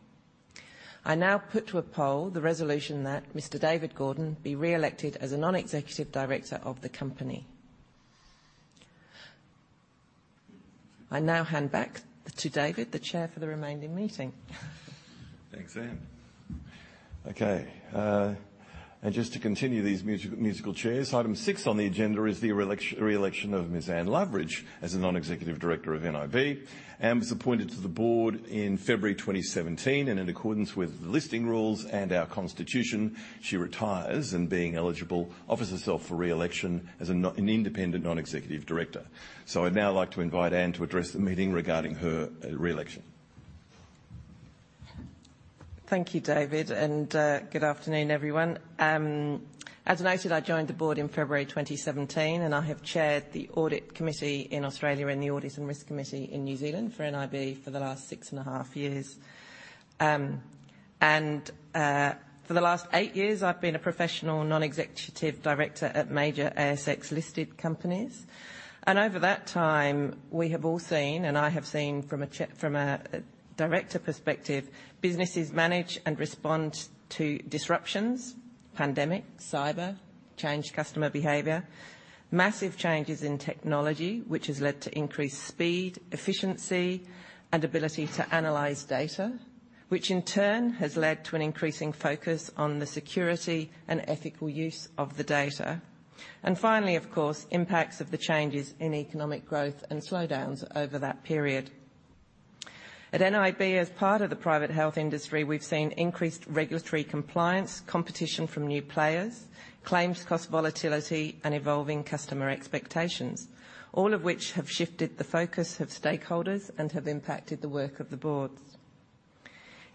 [SPEAKER 8] I now put to a poll the resolution that Mr. David Gordon be re-elected as a non-executive director of the company. I now hand back to David, the chair for the remaining meeting.
[SPEAKER 1] Thanks, Anne. Okay, and just to continue these musical chairs, item six on the agenda is the re-election of Ms. Anne Loveridge as a non-executive director of nib. Anne was appointed to the board in February 2017, and in accordance with the listing rules and our constitution, she retires, and being eligible, offers herself for re-election as an independent, non-executive director. So I'd now like to invite Anne to address the meeting regarding her re-election.
[SPEAKER 8] Thank you, David, and good afternoon, everyone. As noted, I joined the board in February 2017, and I have chaired the Audit Committee in Australia and the Audit and Risk Committee in New Zealand for nib for the last 6.5 years. For the last eight years, I've been a professional non-executive director at major ASX-listed companies. Over that time, we have all seen, and I have seen from a director perspective, businesses manage and respond to disruptions, pandemic, cyber, changed customer behavior, massive changes in technology, which has led to increased speed, efficiency, and ability to analyze data, which in turn has led to an increasing focus on the security and ethical use of the data. Finally, of course, impacts of the changes in economic growth and slowdowns over that period. At nib, as part of the private health industry, we've seen increased regulatory compliance, competition from new players, claims cost volatility, and evolving customer expectations, all of which have shifted the focus of stakeholders and have impacted the work of the boards.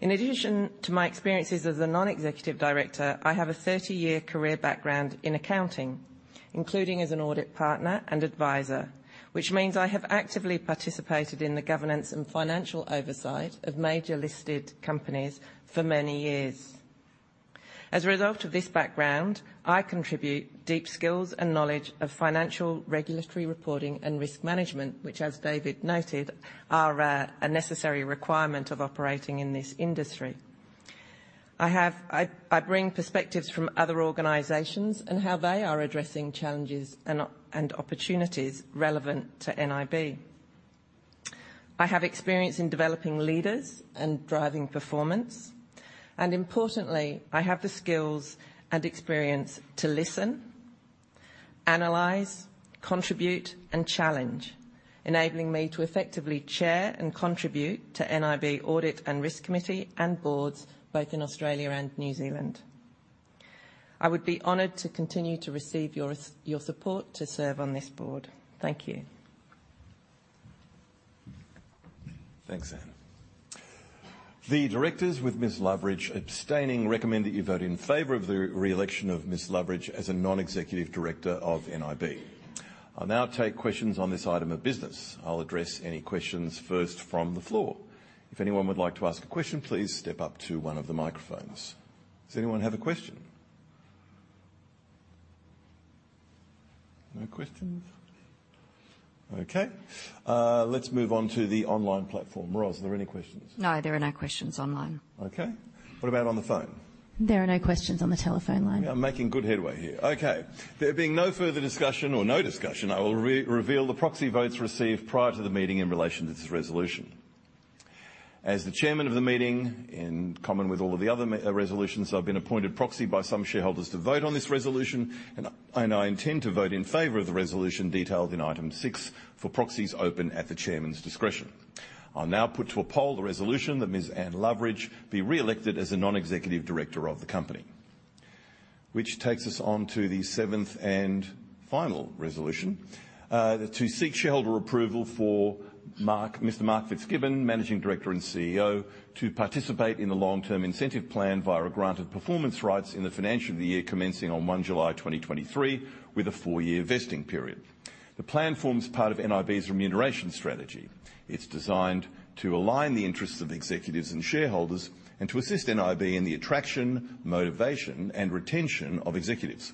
[SPEAKER 8] In addition to my experiences as a non-executive director, I have a 30-year career background in accounting, including as an audit partner and advisor, which means I have actively participated in the governance and financial oversight of major listed companies for many years. As a result of this background, I contribute deep skills and knowledge of financial regulatory reporting and risk management, which, as David noted, are a necessary requirement of operating in this industry. I bring perspectives from other organizations and how they are addressing challenges and opportunities relevant to nib. I have experience in developing leaders and driving performance, and importantly, I have the skills and experience to listen, analyze, contribute, and challenge, enabling me to effectively chair and contribute to nib Audit and Risk Committee and boards both in Australia and New Zealand. I would be honored to continue to receive your support to serve on this board. Thank you.
[SPEAKER 1] Thanks, Anne. The directors, with Ms. Loveridge abstaining, recommend that you vote in favor of the re-election of Ms. Loveridge as a non-executive director of nib. I'll now take questions on this item of business. I'll address any questions first from the floor. If anyone would like to ask a question, please step up to one of the microphones. Does anyone have a question? No questions. Okay, let's move on to the online platform. Ros, are there any questions?
[SPEAKER 5] No, there are no questions online.
[SPEAKER 1] Okay, what about on the phone?
[SPEAKER 5] There are no questions on the telephone line.
[SPEAKER 1] We are making good headway here. Okay, there being no further discussion or no discussion, I will reveal the proxy votes received prior to the meeting in relation to this resolution. As the chairman of the meeting, in common with all of the other resolutions, I've been appointed proxy by some shareholders to vote on this resolution, and I intend to vote in favor of the resolution detailed in item six for proxies open at the chairman's discretion. I'll now put to a poll the resolution that Ms. Anne Loveridge be re-elected as a non-executive director of the company. Which takes us on to the seventh and final resolution to seek shareholder approval for Mark, Mr. Mark Fitzgibbon, Managing Director and CEO, to participate in the long-term incentive plan via a granted performance rights in the financial year commencing on 1 July 2023, with a four-year vesting period. The plan forms part of nib's remuneration strategy. It's designed to align the interests of executives and shareholders and to assist nib in the attraction, motivation, and retention of executives.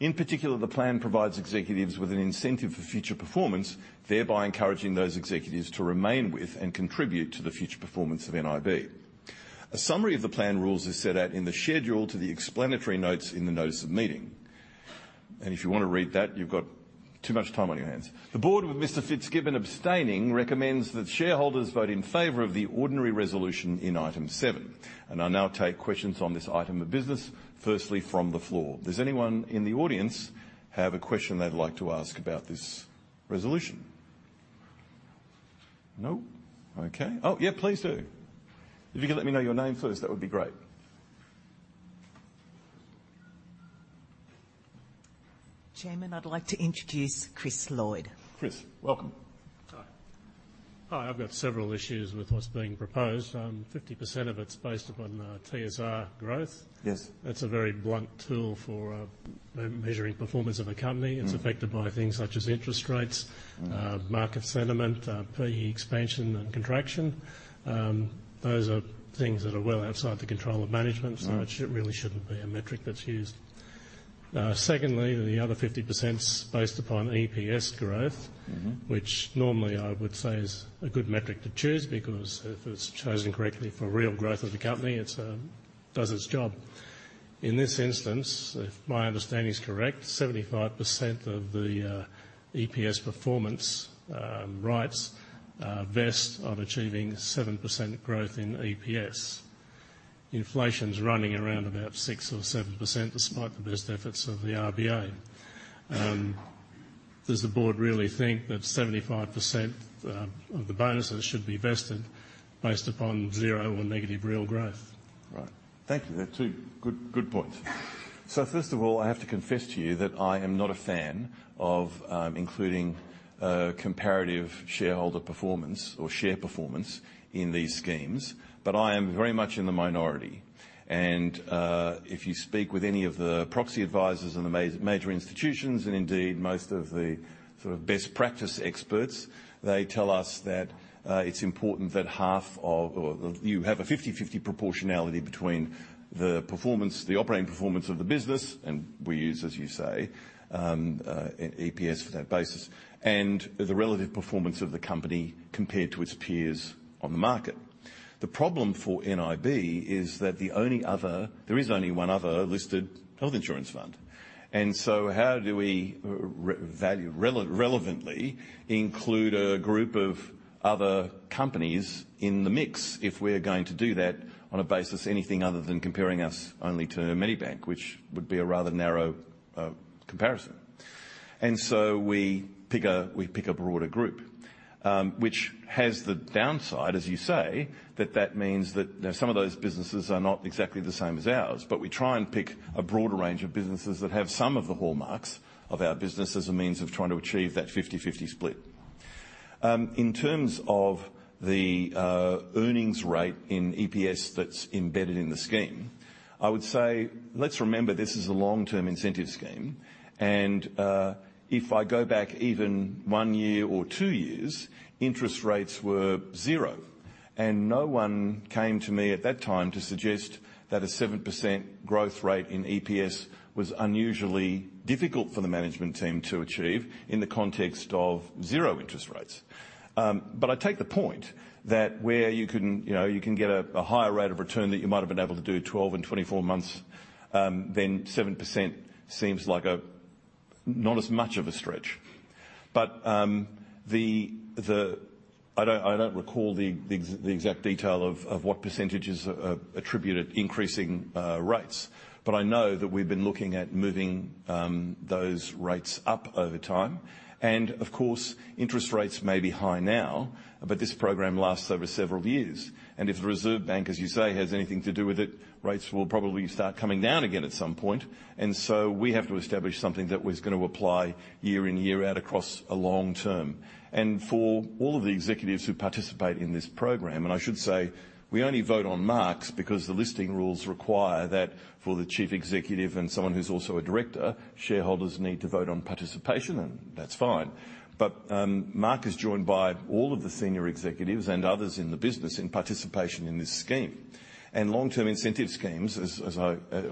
[SPEAKER 1] In particular, the plan provides executives with an incentive for future performance, thereby encouraging those executives to remain with and contribute to the future performance of nib. A summary of the plan rules is set out in the schedule to the explanatory notes in the notice of meeting. And if you want to read that, you've got too much time on your hands. The board, with Mr. Fitzgibbon, abstaining, recommends that shareholders vote in favor of the ordinary resolution in item seven, and I now take questions on this item of business, firstly, from the floor. Does anyone in the audience have a question they'd like to ask about this resolution? No? Okay. Oh, yeah, please do. If you could let me know your name first, that would be great.
[SPEAKER 8] Chairman, I'd like to introduce Chris Lloyd.
[SPEAKER 1] Chris, welcome.
[SPEAKER 9] Hi. Hi, I've got several issues with what's being proposed. 50% of it's based upon TSR growth.
[SPEAKER 1] Yes.
[SPEAKER 9] That's a very blunt tool for measuring performance of a company.
[SPEAKER 1] Mm.
[SPEAKER 9] It's affected by things such as interest rates-
[SPEAKER 1] Mm.
[SPEAKER 9] Market sentiment, PE expansion and contraction. Those are things that are well outside the control of management-
[SPEAKER 1] Right.
[SPEAKER 9] It really shouldn't be a metric that's used. Secondly, the other 50%'s based upon EPS growth.
[SPEAKER 1] Mm-hmm.
[SPEAKER 9] Which normally I would say is a good metric to choose, because if it's chosen correctly for real growth of the company, it does its job. In this instance, if my understanding is correct, 75% of the EPS performance rights vest on achieving 7% growth in EPS. Inflation's running around about 6% or 7%, despite the best efforts of the RBA. Does the board really think that 75% of the bonuses should be vested based upon zero or negative real growth?
[SPEAKER 1] Right. Thank you. They're two good, good points. So first of all, I have to confess to you that I am not a fan of including comparative shareholder performance or share performance in these schemes, but I am very much in the minority. And if you speak with any of the proxy advisors and the major institutions, and indeed most of the sort of best practice experts, they tell us that it's important that half of, or you have a 50/50 proportionality between the performance, the operating performance of the business, and we use, as you say, EPS for that basis, and the relative performance of the company compared to its peers on the market. The problem for nib is that the only other, there is only one other listed health insurance fund. And so how do we relevantly include a group of other companies in the mix if we're going to do that on a basis, anything other than comparing us only to Medibank, which would be a rather narrow comparison? And so we pick a broader group, which has the downside, as you say, that that means that, you know, some of those businesses are not exactly the same as ours. But we try and pick a broader range of businesses that have some of the hallmarks of our business as a means of trying to achieve that 50/50 split. In terms of the earnings rate in EPS that's embedded in the scheme, I would say, let's remember, this is a long-term incentive scheme, and if I go back even one year or two years, interest rates were zero, and no one came to me at that time to suggest that a 7% growth rate in EPS was unusually difficult for the management team to achieve in the context of zero interest rates. But I take the point that where you can, you know, you can get a higher rate of return, that you might have been able to do 12 and 24 months, then 7% seems like not as much of a stretch. But the... I don't recall the exact detail of what percentages are attributed increasing rates, but I know that we've been looking at moving those rates up over time. And of course, interest rates may be high now, but this program lasts over several years, and if the Reserve Bank, as you say, has anything to do with it, rates will probably start coming down again at some point. And so we have to establish something that was gonna apply year in, year out, across a long term. And for all of the executives who participate in this program, and I should say we only vote on Mark's, because the listing rules require that for the Chief Executive and someone who's also a director, shareholders need to vote on participation, and that's fine. But, Mark is joined by all of the senior executives and others in the business in participation in this scheme. And long-term incentive schemes, as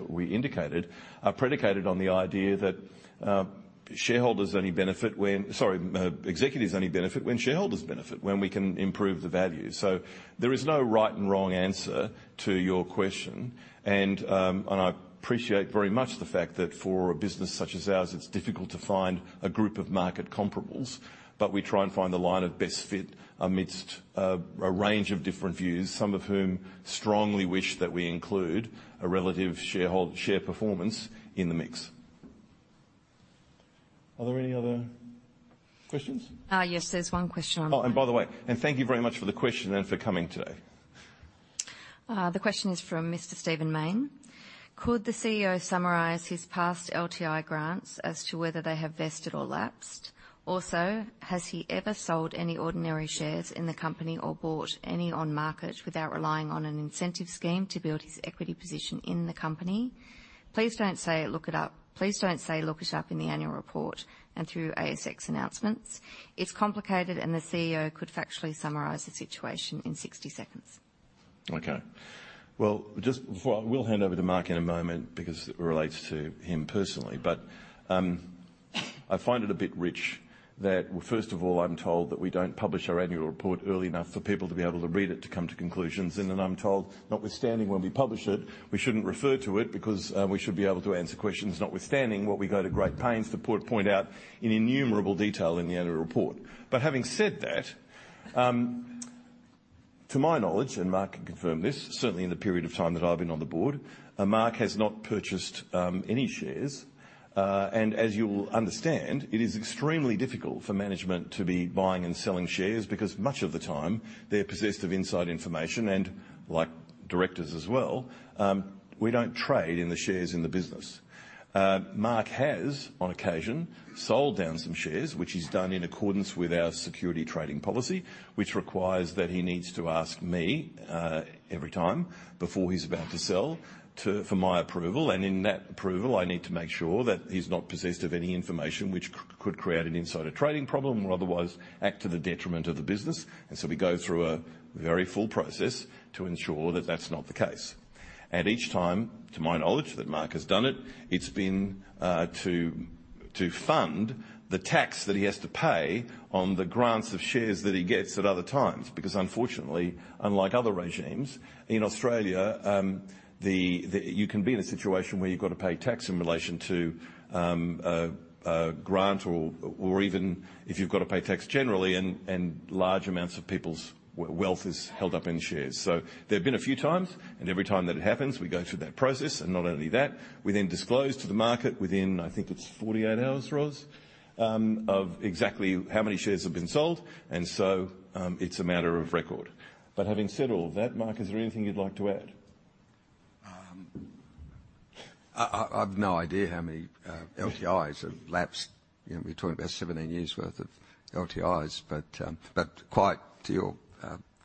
[SPEAKER 1] we indicated, are predicated on the idea that shareholders only benefit when... Sorry, executives only benefit when shareholders benefit, when we can improve the value. So there is no right and wrong answer to your question, and I appreciate very much the fact that for a business such as ours, it's difficult to find a group of market comparables. But we try and find the line of best fit amidst a range of different views, some of whom strongly wish that we include a relative shareholder share performance in the mix. Are there any other questions?
[SPEAKER 5] Yes, there's one question-
[SPEAKER 1] Oh, and by the way, and thank you very much for the question and for coming today.
[SPEAKER 5] The question is from Mr. Stephen Mayne. "Could the CEO summarize his past LTI grants as to whether they have vested or lapsed? Also, has he ever sold any ordinary shares in the company or bought any on market without relying on an incentive scheme to build his equity position in the company? Please don't say, look it up. Please don't say, look it up in the annual report and through ASX announcements. It's complicated, and the CEO could factually summarize the situation in 60 seconds.
[SPEAKER 1] Okay, well, just before I will hand over to Mark in a moment because it relates to him personally, but I find it a bit rich that first of all, I'm told that we don't publish our annual report early enough for people to be able to read it, to come to conclusions, and then I'm told, notwithstanding, when we publish it, we shouldn't refer to it because we should be able to answer questions, notwithstanding what we go to great pains to point out in innumerable detail in the annual report. But having said that, to my knowledge, and Mark can confirm this, certainly in the period of time that I've been on the board, Mark has not purchased any shares. As you'll understand, it is extremely difficult for management to be buying and selling shares because much of the time they're possessed of inside information, and like directors as well, we don't trade in the shares in the business. Mark has, on occasion, sold down some shares, which he's done in accordance with our security trading policy, which requires that he needs to ask me every time before he's about to sell, to for my approval. And in that approval, I need to make sure that he's not possessed of any information which could create an insider trading problem or otherwise act to the detriment of the business. And so we go through a very full process to ensure that that's not the case. Each time, to my knowledge, that Mark has done it, it's been to fund the tax that he has to pay on the grants of shares that he gets at other times. Because unfortunately, unlike other regimes, in Australia, you can be in a situation where you've got to pay tax in relation to a grant or even if you've got to pay tax generally, and large amounts of people's wealth is held up in shares. So there have been a few times, and every time that it happens, we go through that process. And not only that, we then disclose to the market within, I think it's 48 hours, Ros, of exactly how many shares have been sold, and so, it's a matter of record. Having said all that, Mark, is there anything you'd like to add? ...
[SPEAKER 3] I've no idea how many LTIs have lapsed. You know, we're talking about 17 years' worth of LTIs. But quite to your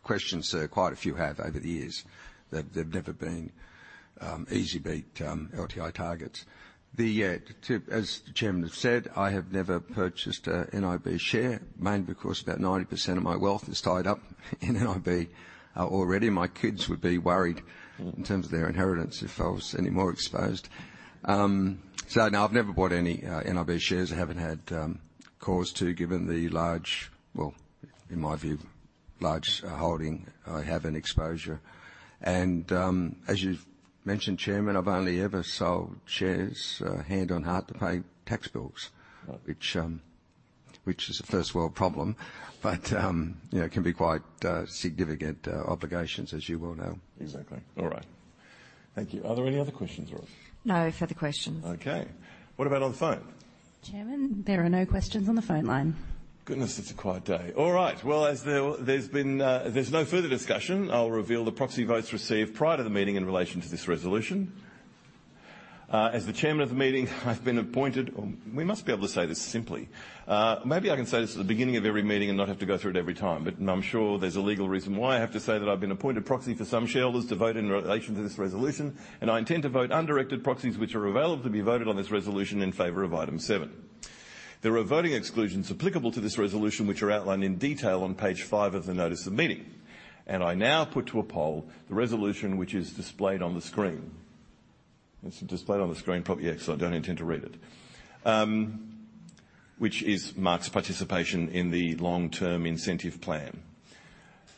[SPEAKER 3] question, sir, quite a few have over the years. They've never been easy beat LTI targets. As the chairman has said, I have never purchased a nib share, mainly because about 90% of my wealth is tied up in nib already. My kids would be worried in terms of their inheritance if I was any more exposed. So no, I've never bought any nib shares. I haven't had cause to, given the large, well, in my view, large holding I have in exposure. As you've mentioned, Chairman, I've only ever sold shares, hand on heart, to pay tax bills.
[SPEAKER 1] Right.
[SPEAKER 3] Which is a first world problem, but, you know, can be quite significant obligations, as you well know.
[SPEAKER 1] Exactly. All right. Thank you. Are there any other questions, Ros?
[SPEAKER 5] No further questions.
[SPEAKER 1] Okay. What about on the phone?
[SPEAKER 5] Chairman, there are no questions on the phone line.
[SPEAKER 1] Goodness, it's a quiet day. All right. Well, as there, there's been... There's no further discussion, I'll reveal the proxy votes received prior to the meeting in relation to this resolution. As the chairman of the meeting, I've been appointed-- We must be able to say this simply. Maybe I can say this at the beginning of every meeting and not have to go through it every time, but I'm sure there's a legal reason why I have to say that I've been appointed proxy for some shareholders to vote in relation to this resolution, and I intend to vote undirected proxies which are available to be voted on this resolution in favor of item 7. There are voting exclusions applicable to this resolution, which are outlined in detail on page five of the notice of meeting, and I now put to a poll the resolution which is displayed on the screen. It's displayed on the screen, probably, yeah, so I don't intend to read it. Which is Mark's participation in the long-term incentive plan.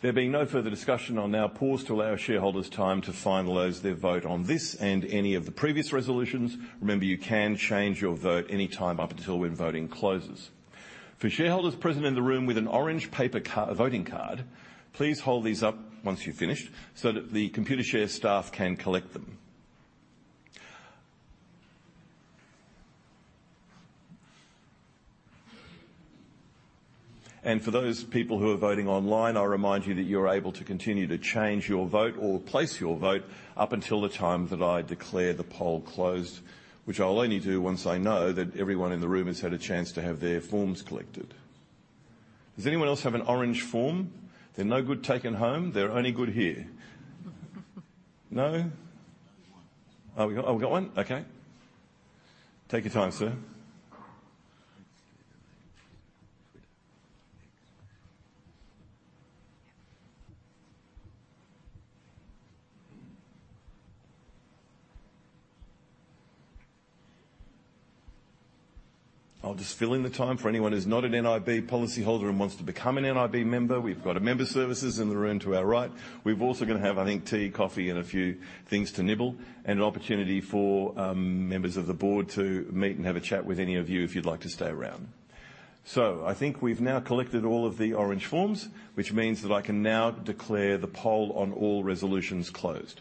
[SPEAKER 1] There being no further discussion, I'll now pause to allow shareholders time to finalize their vote on this and any of the previous resolutions. Remember, you can change your vote anytime up until when voting closes. For shareholders present in the room with an orange paper card, voting card, please hold these up once you've finished so that the Computershare staff can collect them. For those people who are voting online, I remind you that you're able to continue to change your vote or place your vote up until the time that I declare the poll closed, which I'll only do once I know that everyone in the room has had a chance to have their forms collected. Does anyone else have an orange form? They're no good taking home. They're only good here. No?
[SPEAKER 10] One.
[SPEAKER 1] Oh, we got, oh, we got one? Okay. Take your time, sir. I'll just fill in the time for anyone who's not an nib policyholder and wants to become an nib member. We've got a member services in the room to our right. We've also gonna have, I think, tea, coffee, and a few things to nibble, and an opportunity for members of the board to meet and have a chat with any of you if you'd like to stay around. So I think we've now collected all of the orange forms, which means that I can now declare the poll on all resolutions closed.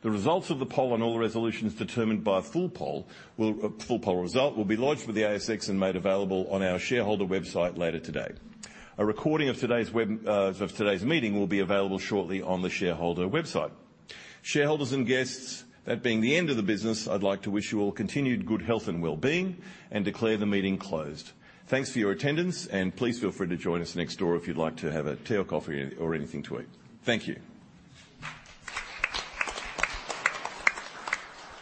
[SPEAKER 1] The results of the poll on all resolutions determined by a full poll will, a full poll result, will be lodged with the ASX and made available on our shareholder website later today. A recording of today's web, of today's meeting will be available shortly on the shareholder website. Shareholders and guests, that being the end of the business, I'd like to wish you all continued good health and well-being and declare the meeting closed. Thanks for your attendance, and please feel free to join us next door if you'd like to have a tea or coffee or, or anything to eat. Thank you.